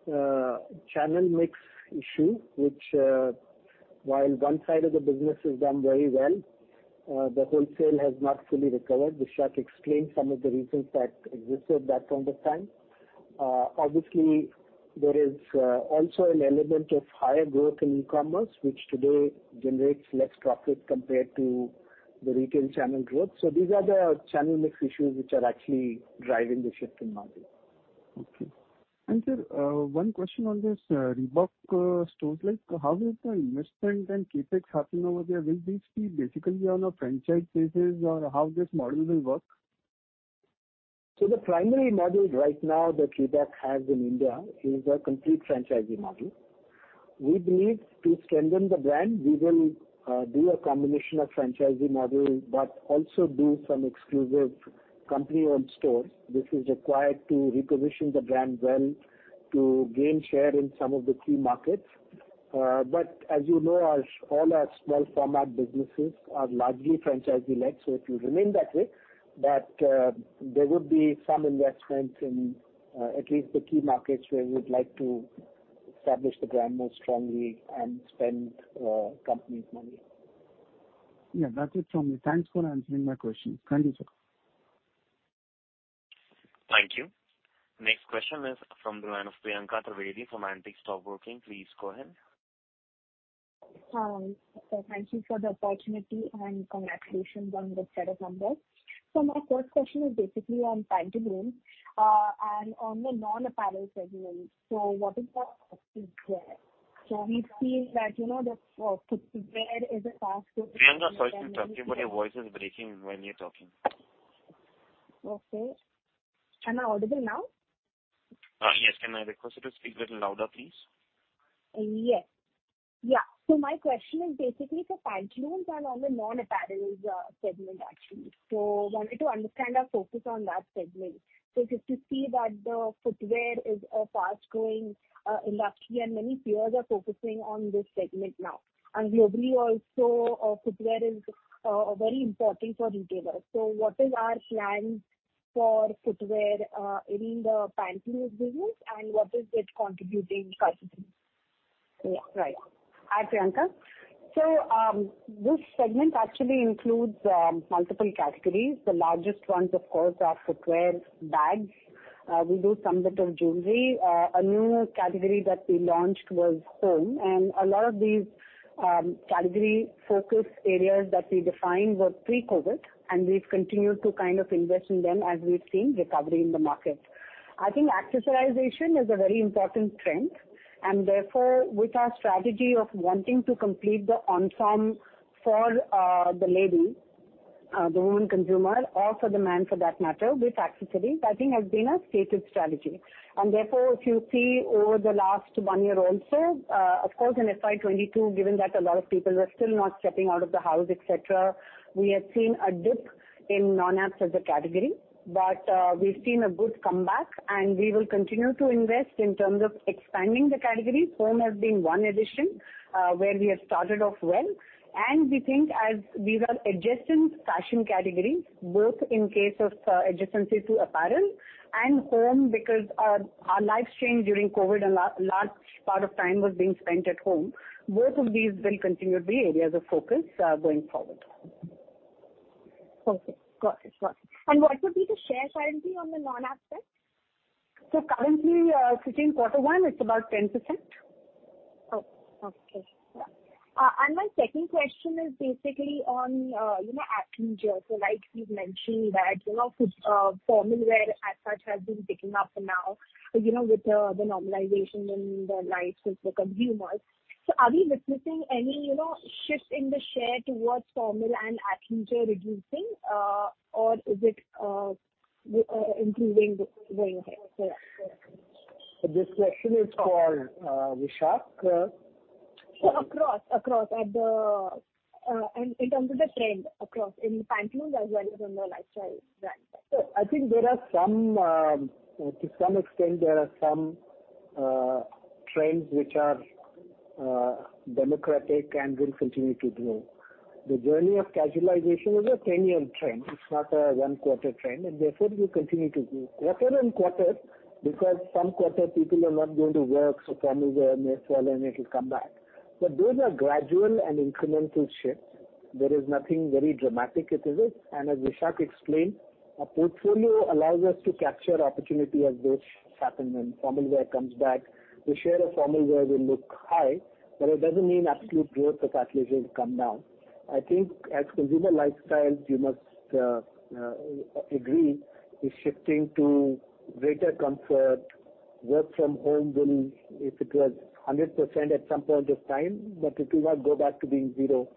a channel mix issue which, while one side of the business has done very well, the wholesale has not fully recovered. Vishak explained some of the reasons that existed at that point of time. Obviously, there is also an element of higher growth in e-commerce, which today generates less profit compared to the retail channel growth. These are the channel mix issues which are actually driving the shift in margin. Okay. Sir, one question on this, Reebok, store. Like, how is the investment and CapEx happening over there? Will these be basically on a franchise basis or how this model will work? The primary model right now that Reebok has in India is a complete franchisee model. We believe to strengthen the brand, we will do a combination of franchisee model, but also do some exclusive company-owned stores. This is required to reposition the brand well, to gain share in some of the key markets. As you know, all our small format businesses are largely franchisee-led, so it will remain that way. There would be some investment in at least the key markets where we would like to establish the brand more strongly and spend company's money. Yeah, that's it from me. Thanks for answering my questions. Thank you, sir. Thank you. Next question is from the line of Priyanka Trivedi from Antique Stock Broking. Please go ahead. Hi. Thank you for the opportunity, and congratulations on the set of numbers. My first question is basically on Pantaloons, and on the non-apparel segment. What is the focus there? We see that, you know, the footwear is a fast growing. Priyanka, sorry to interrupt you, but your voice is breaking when you're talking. Okay. Am I audible now? Yes. Can I request you to speak little louder, please? Yes. Yeah. My question is basically for Pantaloons and on the non-apparel segment, actually. Wanted to understand our focus on that segment. As you see that the footwear is a fast-growing industry and many peers are focusing on this segment now. Globally also, footwear is very important for retailers. What is our plan for footwear in the Pantaloons business and what is it contributing currently? Yeah, right. Hi, Priyanka. This segment actually includes multiple categories. The largest ones, of course, are footwear, bags. We do some bit of jewelry. A new category that we launched was home. A lot of these category focus areas that we defined were pre-COVID, and we've continued to kind of invest in them as we've seen recovery in the market. I think accessorization is a very important trend, and therefore, with our strategy of wanting to complete the ensemble for the lady, the woman consumer or for the man for that matter, with accessories, I think has been a stated strategy. Therefore, if you see over the last one year also, of course in FY 2022, given that a lot of people were still not stepping out of the house, etc., we have seen a dip in non-apparel as a category. We've seen a good comeback, and we will continue to invest in terms of expanding the category. Home has been one addition, where we have started off well. We think as these are adjacent fashion categories, both in case of adjacencies to apparel and home because our lives changed during COVID and large part of time was being spent at home. Both of these will continue to be areas of focus, going forward. Okay. Got it. What would be the share currently on the non-app side? Currently, sitting quarter one, it's about 10%. Oh, okay. Yeah. My second question is basically on, you know, athleisure. So like you've mentioned that, you know, formal wear as such has been picking up now, you know, with the normalization in the lives of the consumers. So are we witnessing any, you know, shift in the share towards formal and athleisure reducing, or is it improving going ahead? Yeah. This question is for Vishak. In terms of the trend across in Pantaloons as well as on the Lifestyle brand. I think there are some trends to some extent which are democratic and will continue to grow. The journey of casualization is a 10-year trend. It's not a one-quarter trend, and therefore it will continue to grow. Quarter-on-quarter, because in some quarters people are not going to work, so formal wear may fall and it'll come back. Those are gradual and incremental shifts. There is nothing very dramatic at play. As Vishak explained, our portfolio allows us to capture opportunity as those happen. When formal wear comes back, the share of formal wear will look high, but it doesn't mean absolute growth of athleisure has come down. I think as consumer lifestyle, you must agree, is shifting to greater comfort. Work from home will... If it was 100% at some point of time, but it will not go back to being zero.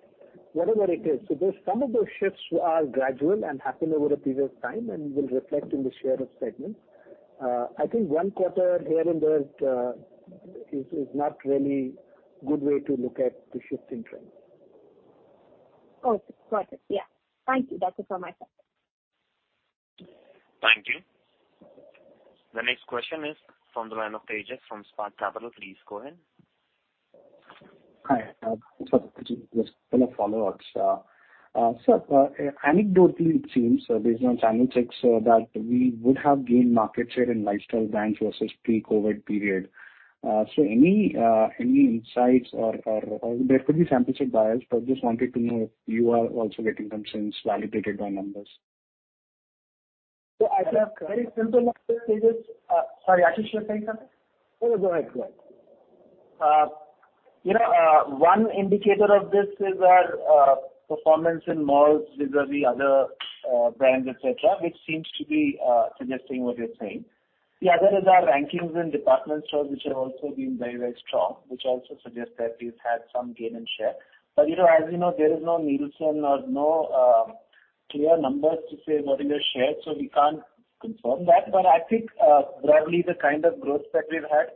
Whatever it is, so some of those shifts are gradual and happen over a period of time and will reflect in the share of segment. I think one quarter here and there is not really good way to look at the shifts in trends. Okay. Got it. Yeah. Thank you. That is all my side. Thank you. The next question is from the line of Tejas Shah from Spark Capital. Please go ahead. Hi, it's follow-ups. Anecdotally, it seems based on channel checks that we would have gained market share in lifestyle brands versus pre-COVID period. Any insights or there could be sample set bias, but just wanted to know if you are also getting some sense validated by numbers. I think very simple. Sorry. Sorry, Ashish, you were saying something? No, go ahead, go ahead. You know, one indicator of this is our performance in malls vis-´´a-vis other brands, et cetera, which seems to be suggesting what you're saying. The other is our rankings in department stores, which have also been very, very strong, which also suggests that we've had some gain in share. You know, as you know, there is no Nielsen or no clear numbers to say what is your share, so we can't confirm that. I think, broadly, the kind of growth that we've had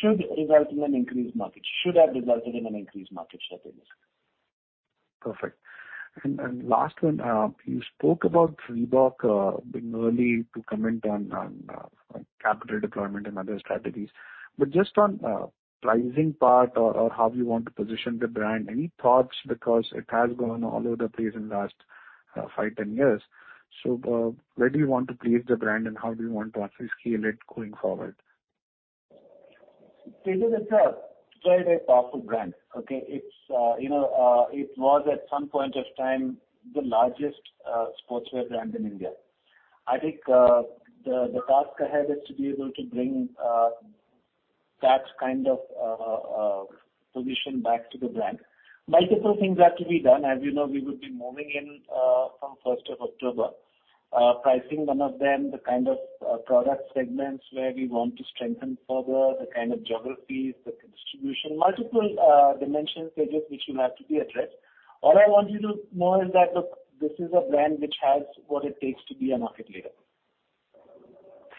should result in an increased market, should have resulted in an increased market share for us. Perfect. Last one, you spoke about Reebok, a bit early to comment on capital deployment and other strategies. But just on pricing part or how you want to position the brand, any thoughts? Because it has gone all over the place in last five, 10 years. Where do you want to place the brand and how do you want to actually scale it going forward? It is a very, very powerful brand. Okay. It's, you know, it was at some point of time the largest, sportswear brand in India. I think, the task ahead is to be able to bring, that kind of position back to the brand. Multiple things have to be done. As you know, we would be moving in, from 1st of October. Pricing one of them, the kind of, product segments where we want to strengthen further, the kind of geographies, the distribution, multiple, dimensions stages which will have to be addressed. All I want you to know is that, look, this is a brand which has what it takes to be a market leader.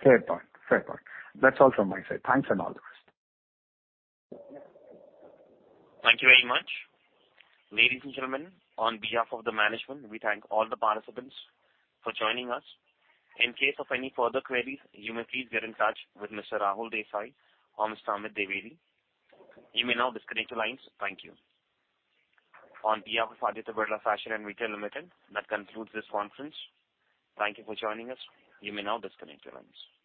Fair point. Fair point. That's all from my side. Thanks and all the best. Thank you very much. Ladies and gentlemen, on behalf of the management, we thank all the participants for joining us. In case of any further queries, you may please get in touch with Mr. Rahul Desai or Mr. Amit Dwivedi. You may now disconnect your lines. Thank you. On behalf of Aditya Birla Fashion and Retail Limited, that concludes this conference. Thank you for joining us. You may now disconnect your lines.